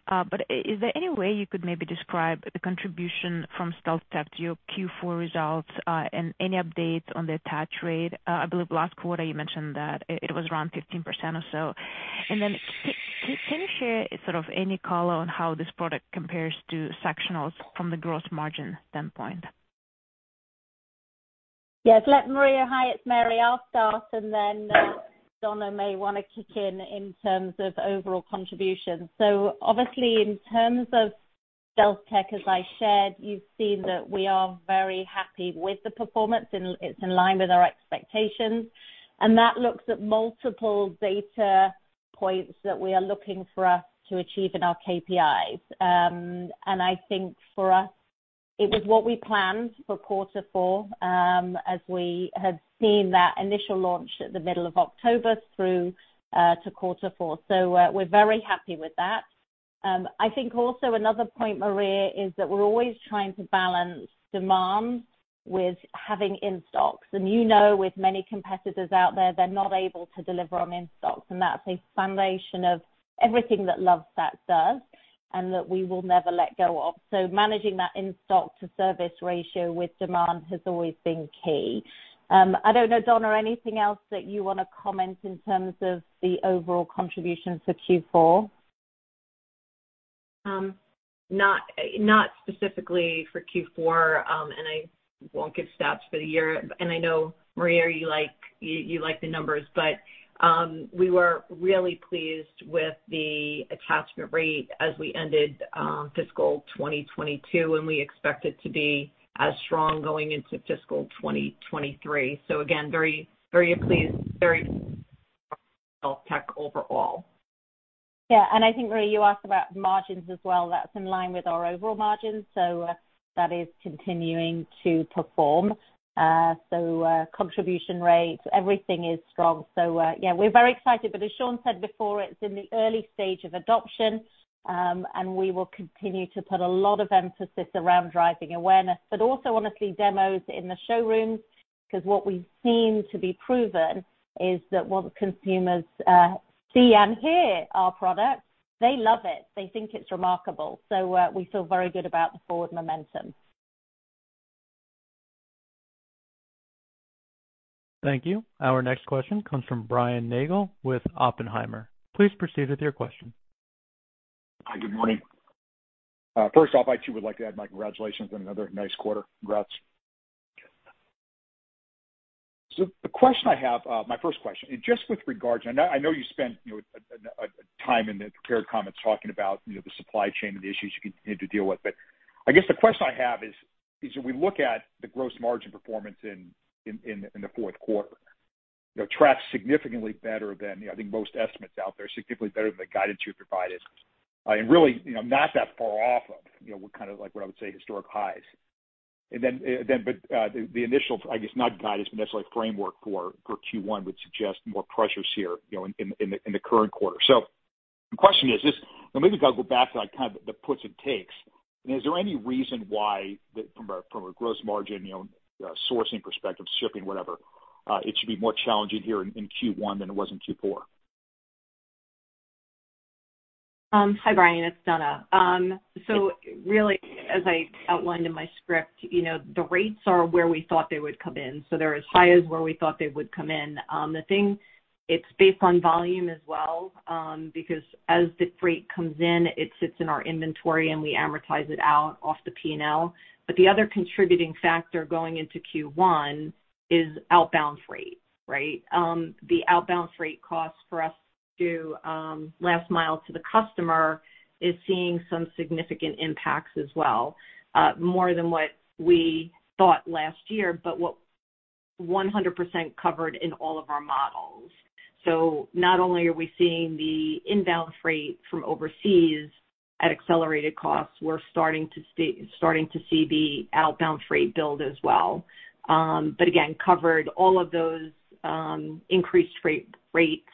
But is there any way you could maybe describe the contribution from StealthTech to your Q4 results, and any updates on the attach rate? I believe last quarter you mentioned that it was around 15% or so. Can you share sort of any color on how this product compares to sectionals from the gross margin standpoint? Yes. Hi Maria, it's Mary. I'll start, and then Donna may wanna kick in in terms of overall contribution. Obviously, in terms of StealthTech, as I shared, you've seen that we are very happy with the performance and it's in line with our expectations. That looks at multiple data points that we are looking for us to achieve in our KPIs. I think for us, it was what we planned for quarter four, as we had seen that initial launch at the middle of October through to quarter four. We're very happy with that. I think also another point, Maria, is that we're always trying to balance demand with having in-stocks. You know, with many competitors out there, they're not able to deliver on in-stocks, and that's a foundation of everything that Lovesac does and that we will never let go of. Managing that in-stock to service ratio with demand has always been key. I don't know, Donna, anything else that you wanna comment in terms of the overall contribution for Q4? Not specifically for Q4, and I won't give stats for the year. I know, Maria, you like the numbers, but we were really pleased with the attachment rate as we ended fiscal 2022, and we expect it to be as strong going into fiscal 2023. Again, very pleased, very StealthTech overall. Yeah. I think, Maria, you asked about margins as well. That's in line with our overall margins. That is continuing to perform. Contribution rates, everything is strong. We're very excited. As Shawn said before, it's in the early stage of adoption, and we will continue to put a lot of emphasis around driving awareness, but also honestly demos in the showrooms, 'cause what we seem to be proven is that once consumers see and hear our products, they love it. They think it's remarkable. We feel very good about the forward momentum. Thank you. Our next question comes from Brian Nagel with Oppenheimer. Please proceed with your question. Hi, good morning. First off, I too would like to add my congratulations on another nice quarter. Congrats. The question I have, my first question, and just with regards, and I know you spent, you know, a time in the prepared comments talking about, you know, the supply chain and the issues you continue to deal with. I guess the question I have is if we look at the gross margin performance in the fourth quarter, you know, tracks significantly better than, you know, I think most estimates out there, significantly better than the guidance you've provided. Really, you know, not that far off of, you know, what kind of like what I would say historic highs. The initial, I guess, not guidance, but necessarily framework for Q1 would suggest more pressures here, you know, in the current quarter. The question is this, maybe we gotta go back to like kind of the puts and takes, and is there any reason why, from a gross margin, you know, sourcing perspective, shipping, whatever, it should be more challenging here in Q1 than it was in Q4? Hi, Brian. It's Donna. Really, as I outlined in my script, you know, the rates are where we thought they would come in, so they're as high as where we thought they would come in. The thing, it's based on volume as well, because as the freight comes in, it sits in our inventory, and we amortize it out off the P&L. The other contributing factor going into Q1 is outbound freight, right? The outbound freight costs for us to last mile to the customer is seeing some significant impacts as well, more than what we thought last year, but what 100% covered in all of our models. Not only are we seeing the inbound freight from overseas at accelerated costs, we're starting to see the outbound freight build as well. Again, covered all of those, increased freight rates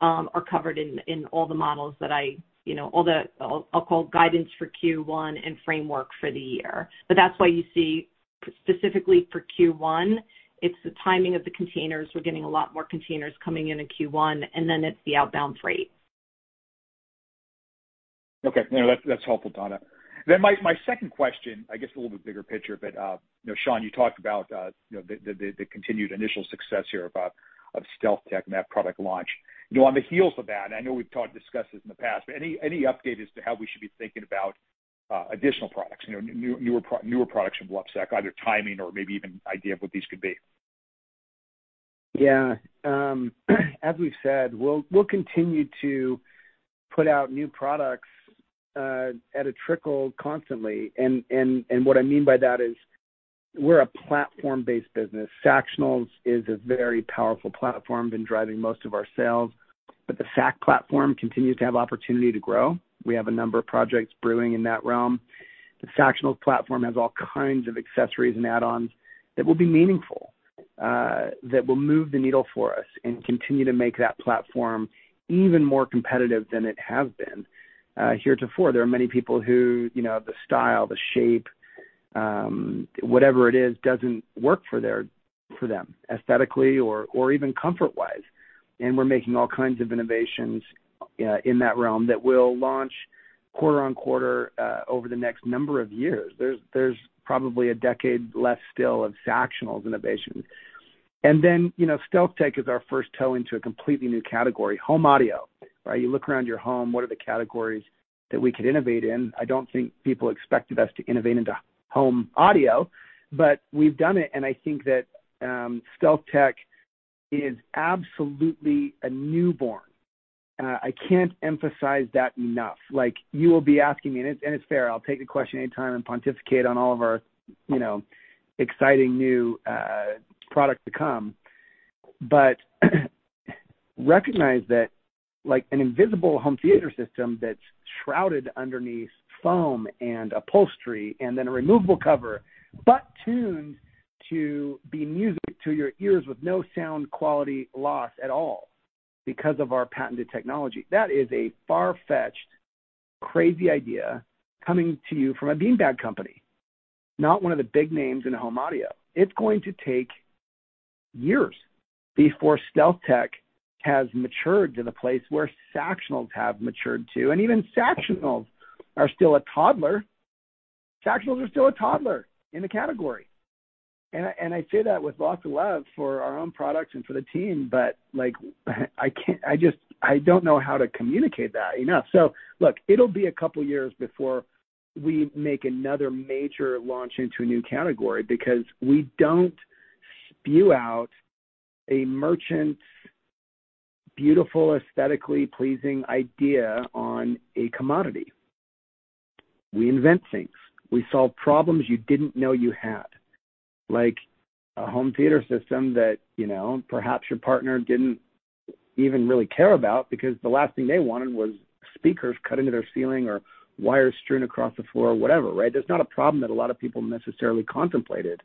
are covered in all the models that I, you know, I'll call guidance for Q1 and framework for the year. That's why you see specifically for Q1, it's the timing of the containers. We're getting a lot more containers coming in in Q1, and then it's the outbound freight. Okay. No, that's helpful, Donna. My second question, I guess a little bit bigger picture, but you know, Shawn, you talked about you know, the continued initial success here of StealthTech and that product launch. You know, on the heels of that, I know we've talked, discussed this in the past, but any update as to how we should be thinking about additional products? You know, newer products from Lovesac, either timing or maybe even idea of what these could be. Yeah. As we've said, we'll continue to put out new products at a trickle constantly. What I mean by that is we're a platform-based business. Sactionals is a very powerful platform, been driving most of our sales, but the Sac platform continues to have opportunity to grow. We have a number of projects brewing in that realm. The Sactionals platform has all kinds of accessories and add-ons that will be meaningful, that will move the needle for us and continue to make that platform even more competitive than it has been, heretofore. There are many people who, you know, the style, the shape, whatever it is doesn't work for them aesthetically or even comfort-wise. We're making all kinds of innovations in that realm that will launch quarter-over-quarter over the next number of years. There's probably a decade left still of Sactionals innovation. Then, you know, StealthTech is our first toe into a completely new category, home audio, right? You look around your home, what are the categories that we could innovate in? I don't think people expected us to innovate into home audio, but we've done it, and I think that, StealthTech is absolutely a newborn. I can't emphasize that enough. Like, you will be asking me, and it's fair, I'll take the question anytime and pontificate on all of our, you know, exciting new, products to come. Recognize that, like, an invisible home theater system that's shrouded underneath foam and upholstery and then a removable cover, but tuned to be music to your ears with no sound quality loss at all because of our patented technology, that is a far-fetched, crazy idea coming to you from a beanbag company, not one of the big names in home audio. It's going to take years before StealthTech has matured to the place where Sactionals have matured to, and even Sactionals are still a toddler. Sactionals are still a toddler in the category. I say that with lots of love for our own products and for the team, but, like, I can't. I just, I don't know how to communicate that enough. Look, it'll be a couple years before we make another major launch into a new category because we don't spew out a merchant's beautiful, aesthetically pleasing idea on a commodity. We invent things. We solve problems you didn't know you had. Like a home theater system that, you know, perhaps your partner didn't even really care about because the last thing they wanted was speakers cut into their ceiling or wires strewn across the floor or whatever, right? That's not a problem that a lot of people necessarily contemplated.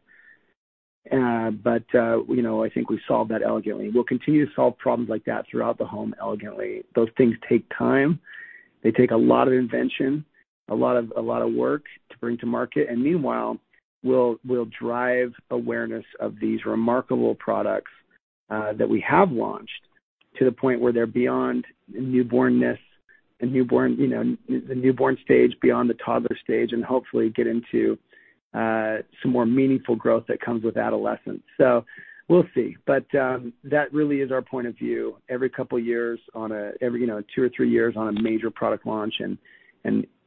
You know, I think we solved that elegantly. We'll continue to solve problems like that throughout the home elegantly. Those things take time. They take a lot of invention, a lot of work to bring to market. Meanwhile, we'll drive awareness of these remarkable products that we have launched to the point where they're beyond newborn-ness and newborn, you know, the newborn stage, beyond the toddler stage, and hopefully get into some more meaningful growth that comes with adolescence. We'll see. That really is our point of view. Every, you know, two or three years on a major product launch, and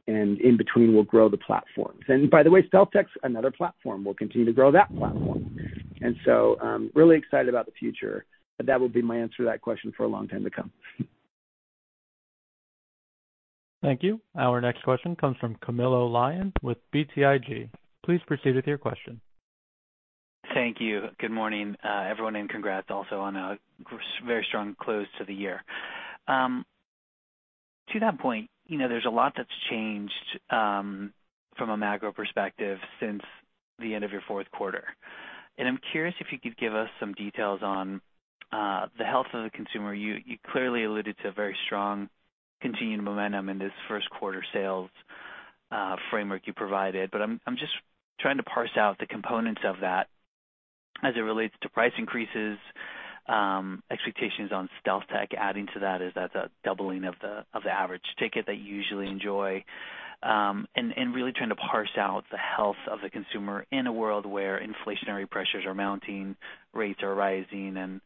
in between we'll grow the platforms. By the way, StealthTech's another platform. We'll continue to grow that platform. Really excited about the future. That will be my answer to that question for a long time to come. Thank you. Our next question comes from Camilo Lyon with BTIG. Please proceed with your question. Thank you. Good morning, everyone, and congrats also on a very strong close to the year. To that point, you know, there's a lot that's changed from a macro perspective since the end of your fourth quarter. I'm curious if you could give us some details on the health of the consumer. You clearly alluded to a very strong continued momentum in this first quarter sales framework you provided, but I'm just trying to parse out the components of that as it relates to price increases, expectations on StealthTech. Adding to that, is that the doubling of the average ticket that you usually enjoy, and really trying to parse out the health of the consumer in a world where inflationary pressures are mounting, rates are rising, and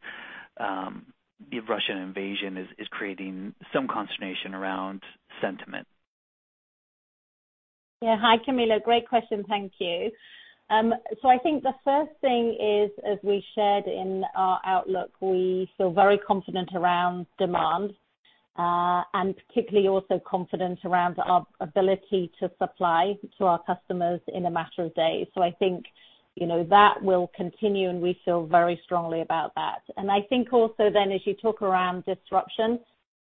the Russian invasion is creating some consternation around sentiment. Yeah. Hi, Camilo. Great question. Thank you. I think the first thing is, as we shared in our outlook, we feel very confident around demand, and particularly also confident around our ability to supply to our customers in a matter of days. I think, you know, that will continue, and we feel very strongly about that. I think also then as you talk around disruption,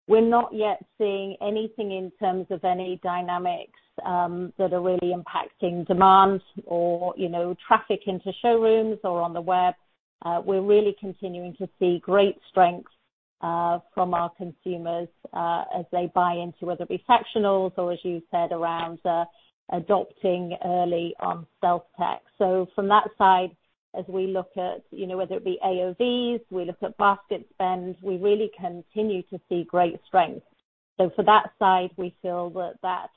we're not yet seeing anything in terms of any dynamics, that are really impacting demand or, you know, traffic into showrooms or on the web. We're really continuing to see great strength, from our consumers, as they buy into whether it be Sactionals or, as you said, around, adopting early on StealthTech. From that side, as we look at, you know, whether it be AOVs, we look at basket spend, we really continue to see great strength. For that side, we feel that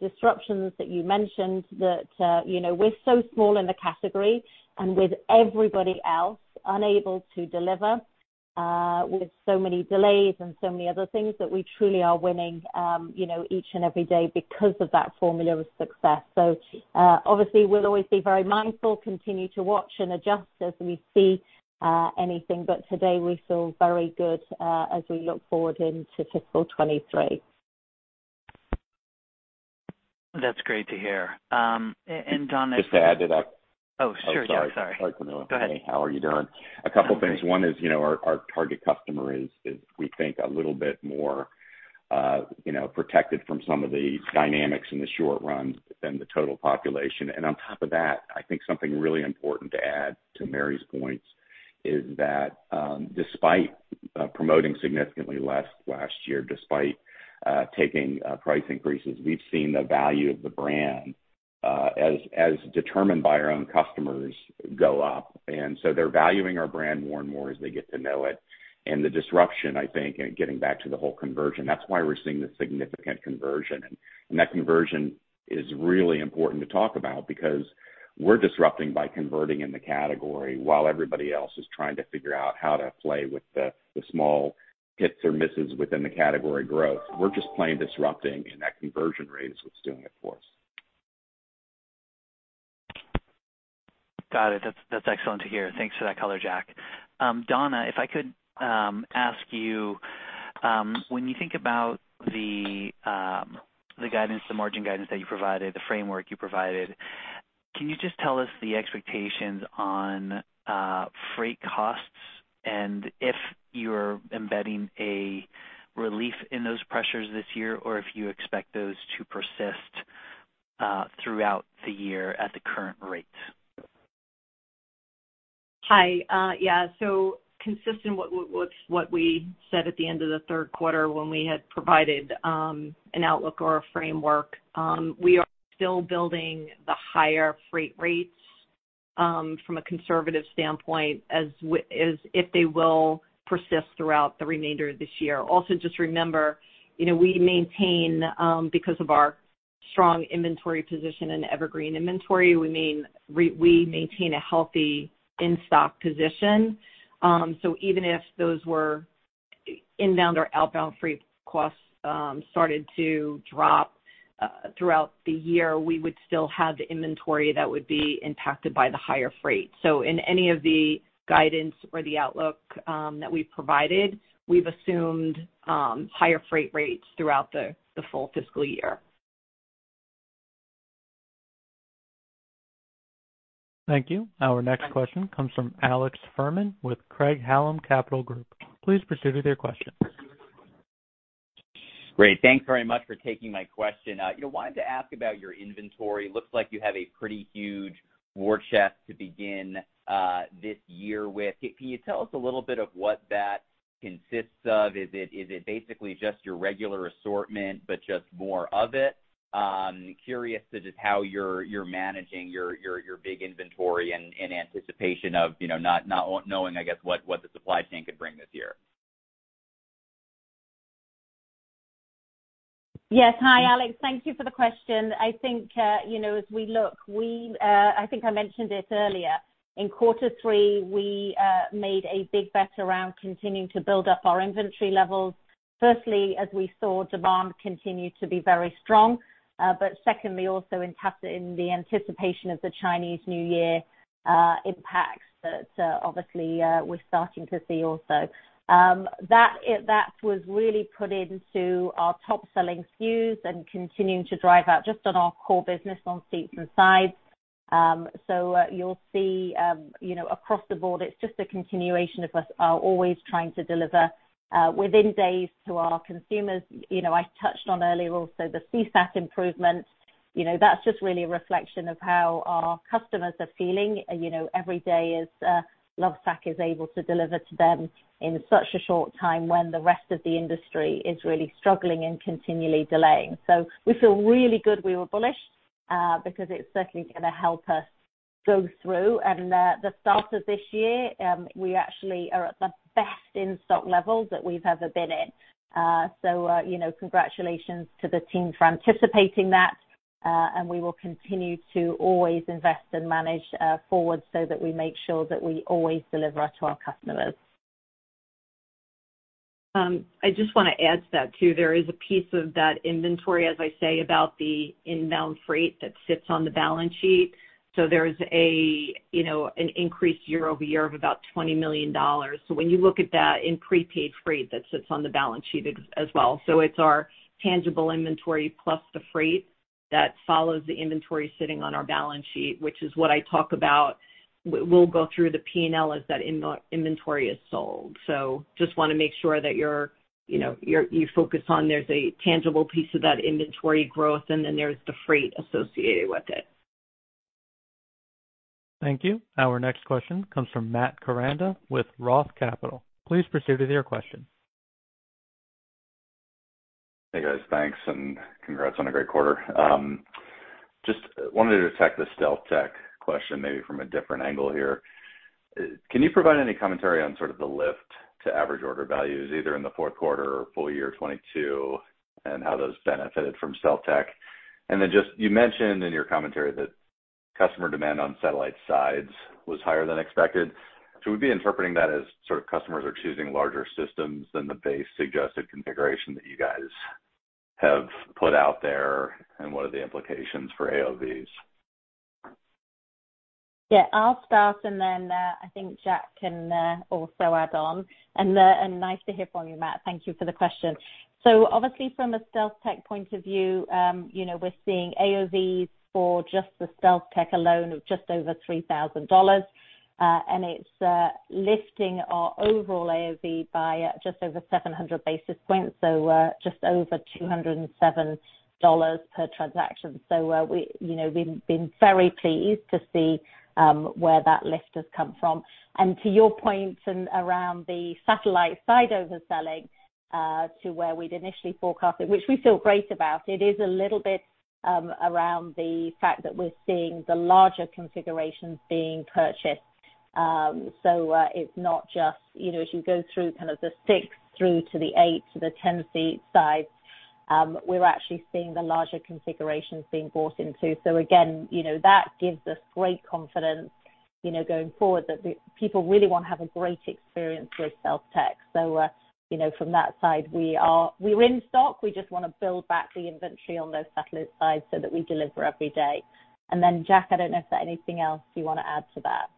disruptions that you mentioned, you know, we're so small in the category, and with everybody else unable to deliver, with so many delays and so many other things, that we truly are winning, you know, each and every day because of that formula of success. Obviously we'll always be very mindful, continue to watch and adjust as we see anything. Today, we feel very good, as we look forward into fiscal 2023. That's great to hear. Don, as- Just to add to that. Oh, sure. Yeah. Sorry. Oh, sorry. Sorry, Camilla. Go ahead. How are you doing? A couple things. One is, you know, our target customer is, we think, a little bit more, you know, protected from some of the dynamics in the short run than the total population. On top of that, I think something really important to add to Mary's points is that, despite promoting significantly less last year, despite taking price increases, we've seen the value of the brand, as determined by our own customers go up. They're valuing our brand more and more as they get to know it. The disruption, I think, and getting back to the whole conversion, that's why we're seeing the significant conversion. That conversion is really important to talk about because we're disrupting by converting in the category while everybody else is trying to figure out how to play with the small hits or misses within the category growth. We're just plain disrupting, and that conversion rate is what's doing it for us. Got it. That's excellent to hear. Thanks for that color, Jack. Donna, if I could ask you, when you think about the guidance, the margin guidance that you provided, the framework you provided, can you just tell us the expectations on freight costs and if you're embedding a relief in those pressures this year, or if you expect those to persist throughout the year at the current rates? Hi. Yeah. Consistent with what we said at the end of the third quarter when we had provided an outlook or a framework, we are still building the higher freight rates from a conservative standpoint as if they will persist throughout the remainder of this year. Also, just remember, you know, we maintain, because of our strong inventory position in evergreen inventory, we maintain a healthy in-stock position. Even if those inbound or outbound freight costs started to drop throughout the year, we would still have the inventory that would be impacted by the higher freight. In any of the guidance or the outlook that we've provided, we've assumed higher freight rates throughout the full fiscal year. Thank you. Our next question comes from Alex Fuhrman with Craig-Hallum Capital Group. Please proceed with your question. Great. Thanks very much for taking my question. I wanted to ask about your inventory. Looks like you have a pretty huge war chest to begin this year with. Can you tell us a little bit of what that consists of? Is it basically just your regular assortment, but just more of it? Curious to just how you're managing your big inventory in anticipation of, you know, not knowing, I guess, what the supply chain could bring this year. Yes. Hi, Alex. Thank you for the question. I think you know, as we look, I think I mentioned it earlier. In quarter three, we made a big bet around continuing to build up our inventory levels. Firstly, as we saw demand continue to be very strong, but secondly, also in anticipation of the Chinese New Year impacts that obviously we're starting to see also. That was really put into our top-selling SKUs and continuing to drive out just on our core business on seats and sides. You'll see you know, across the board, it's just a continuation of us always trying to deliver within days to our consumers. You know, I touched on earlier also the CSAT improvements. You know, that's just really a reflection of how our customers are feeling. You know, every day, Lovesac is able to deliver to them in such a short time when the rest of the industry is really struggling and continually delaying. So we feel really good. We were bullish because it's certainly gonna help us go through. The start of this year, we actually are at the best in-stock levels that we've ever been in. You know, congratulations to the team for anticipating that, and we will continue to always invest and manage forward so that we make sure that we always deliver to our customers. I just wanna add to that, too. There is a piece of that inventory, as I say, about the inbound freight that sits on the balance sheet. There's a, you know, an increase year over year of about $20 million. When you look at that in prepaid freight, that sits on the balance sheet as well. It's our tangible inventory plus the freight that follows the inventory sitting on our balance sheet, which is what I talk about. We'll go through the P&L as that inventory is sold. Just wanna make sure that you're, you know, you focus on there's a tangible piece of that inventory growth, and then there's the freight associated with it. Thank you. Our next question comes from Matt Koranda with ROTH Capital. Please proceed with your question. Hey, guys. Thanks, and congrats on a great quarter. Just wanted to attack the StealthTech question maybe from a different angle here. Can you provide any commentary on sort of the lift to average order values, either in the fourth quarter or full year 2022, and how those benefited from StealthTech? You mentioned in your commentary that customer demand on satellite sides was higher than expected. Should we be interpreting that as sort of customers are choosing larger systems than the base suggested configuration that you guys have put out there, and what are the implications for AOVs? Yeah, I'll start and then, I think Jack can, also add on. Nice to hear from you, Matt. Thank you for the question. Obviously from a StealthTech point of view, we're seeing AOVs for just the StealthTech alone of just over $3,000. It's lifting our overall AOV by just over 700 basis points, just over $207 per transaction. We've been very pleased to see where that lift has come from. To your point and around the Sactionals side overselling to where we'd initially forecasted, which we feel great about. It is a little bit around the fact that we're seeing the larger configurations being purchased. It's not just... You know, as you go through kind of the six through to the eight to the 10-seat sides, we're actually seeing the larger configurations being bought into. Again, you know, that gives us great confidence, you know, going forward that people really wanna have a great experience with StealthTech. You know, from that side, we're in stock. We just wanna build back the inventory on those satellite sides so that we deliver every day. Then, Jack, I don't know if there's anything else you wanna add to that.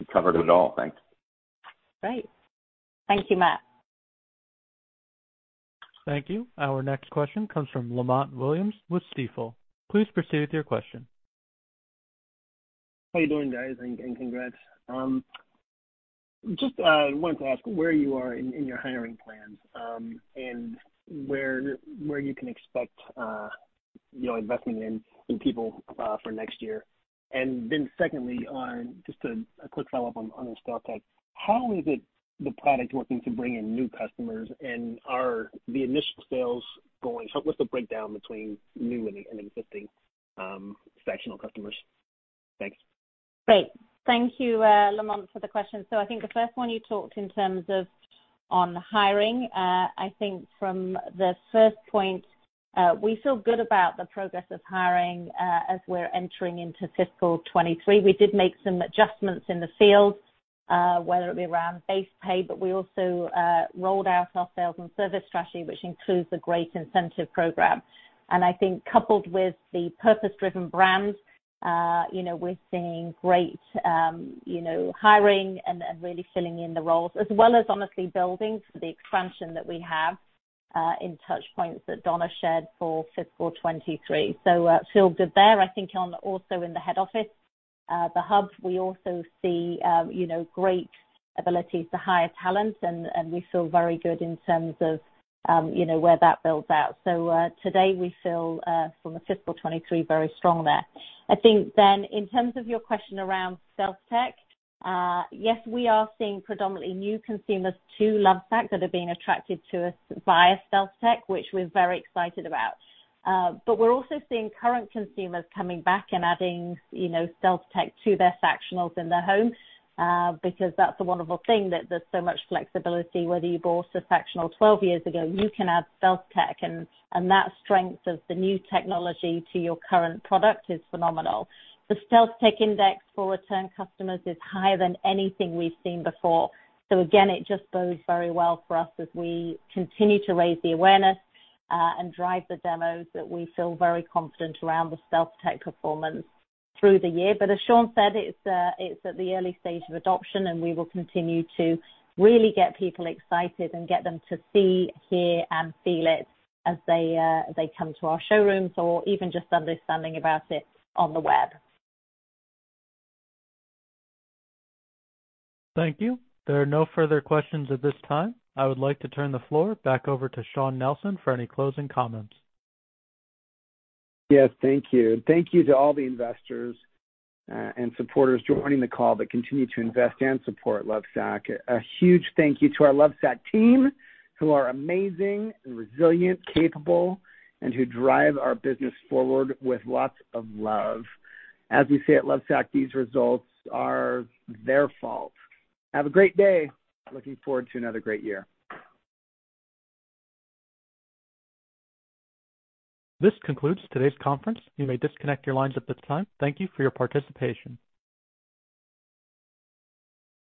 You covered it all. Thanks. Great. Thank you, Matt. Thank you. Our next question comes from Lamont Williams with Stifel. Please proceed with your question. How you doing, guys? Congrats. Just wanted to ask where you are in your hiring plans and where you can expect, you know, investing in people for next year. Secondly, on just a quick follow-up on the StealthTech, how is the product working to bring in new customers, and are the initial sales going, so what's the breakdown between new and existing Sactionals customers? Thanks. Great. Thank you, Lamont, for the question. I think the first one you talked in terms of on hiring. I think from the first point, we feel good about the progress of hiring, as we're entering into fiscal 2023. We did make some adjustments in the field, whether it be around base pay, but we also rolled out our sales and service strategy, which includes a great incentive program. I think coupled with the purpose-driven brands, you know, we're seeing great, you know, hiring and really filling in the roles as well as honestly building for the expansion that we have in touchpoints that Donna shared for fiscal 2023. Feel good there. I think also in the head office, the hubs, we also see, you know, great ability to hire talent and we feel very good in terms of, you know, where that builds out. Today, we feel, from a fiscal 2023, very strong there. I think then in terms of your question around StealthTech, yes, we are seeing predominantly new consumers to Lovesac that are being attracted to us via StealthTech, which we're very excited about. But we're also seeing current consumers coming back and adding, you know, StealthTech to their Sactionals in their home, because that's a wonderful thing that there's so much flexibility whether you bought a Sactional 12 years ago, you can add StealthTech and that strength of the new technology to your current product is phenomenal. The StealthTech index for return customers is higher than anything we've seen before. Again, it just bodes very well for us as we continue to raise the awareness, and drive the demos that we feel very confident around the StealthTech performance through the year. As Shawn said, it's at the early stage of adoption, and we will continue to really get people excited and get them to see, hear and feel it as they come to our showrooms or even just understanding about it on the web. Thank you. There are no further questions at this time. I would like to turn the floor back over to Shawn Nelson for any closing comments. Yes, thank you. Thank you to all the investors and supporters joining the call that continue to invest and support Lovesac. A huge thank you to our Lovesac team, who are amazing and resilient, capable, and who drive our business forward with lots of love. As we say at Lovesac, these results are their fault. Have a great day. Looking forward to another great year. This concludes today's conference. You may disconnect your lines at this time. Thank you for your participation.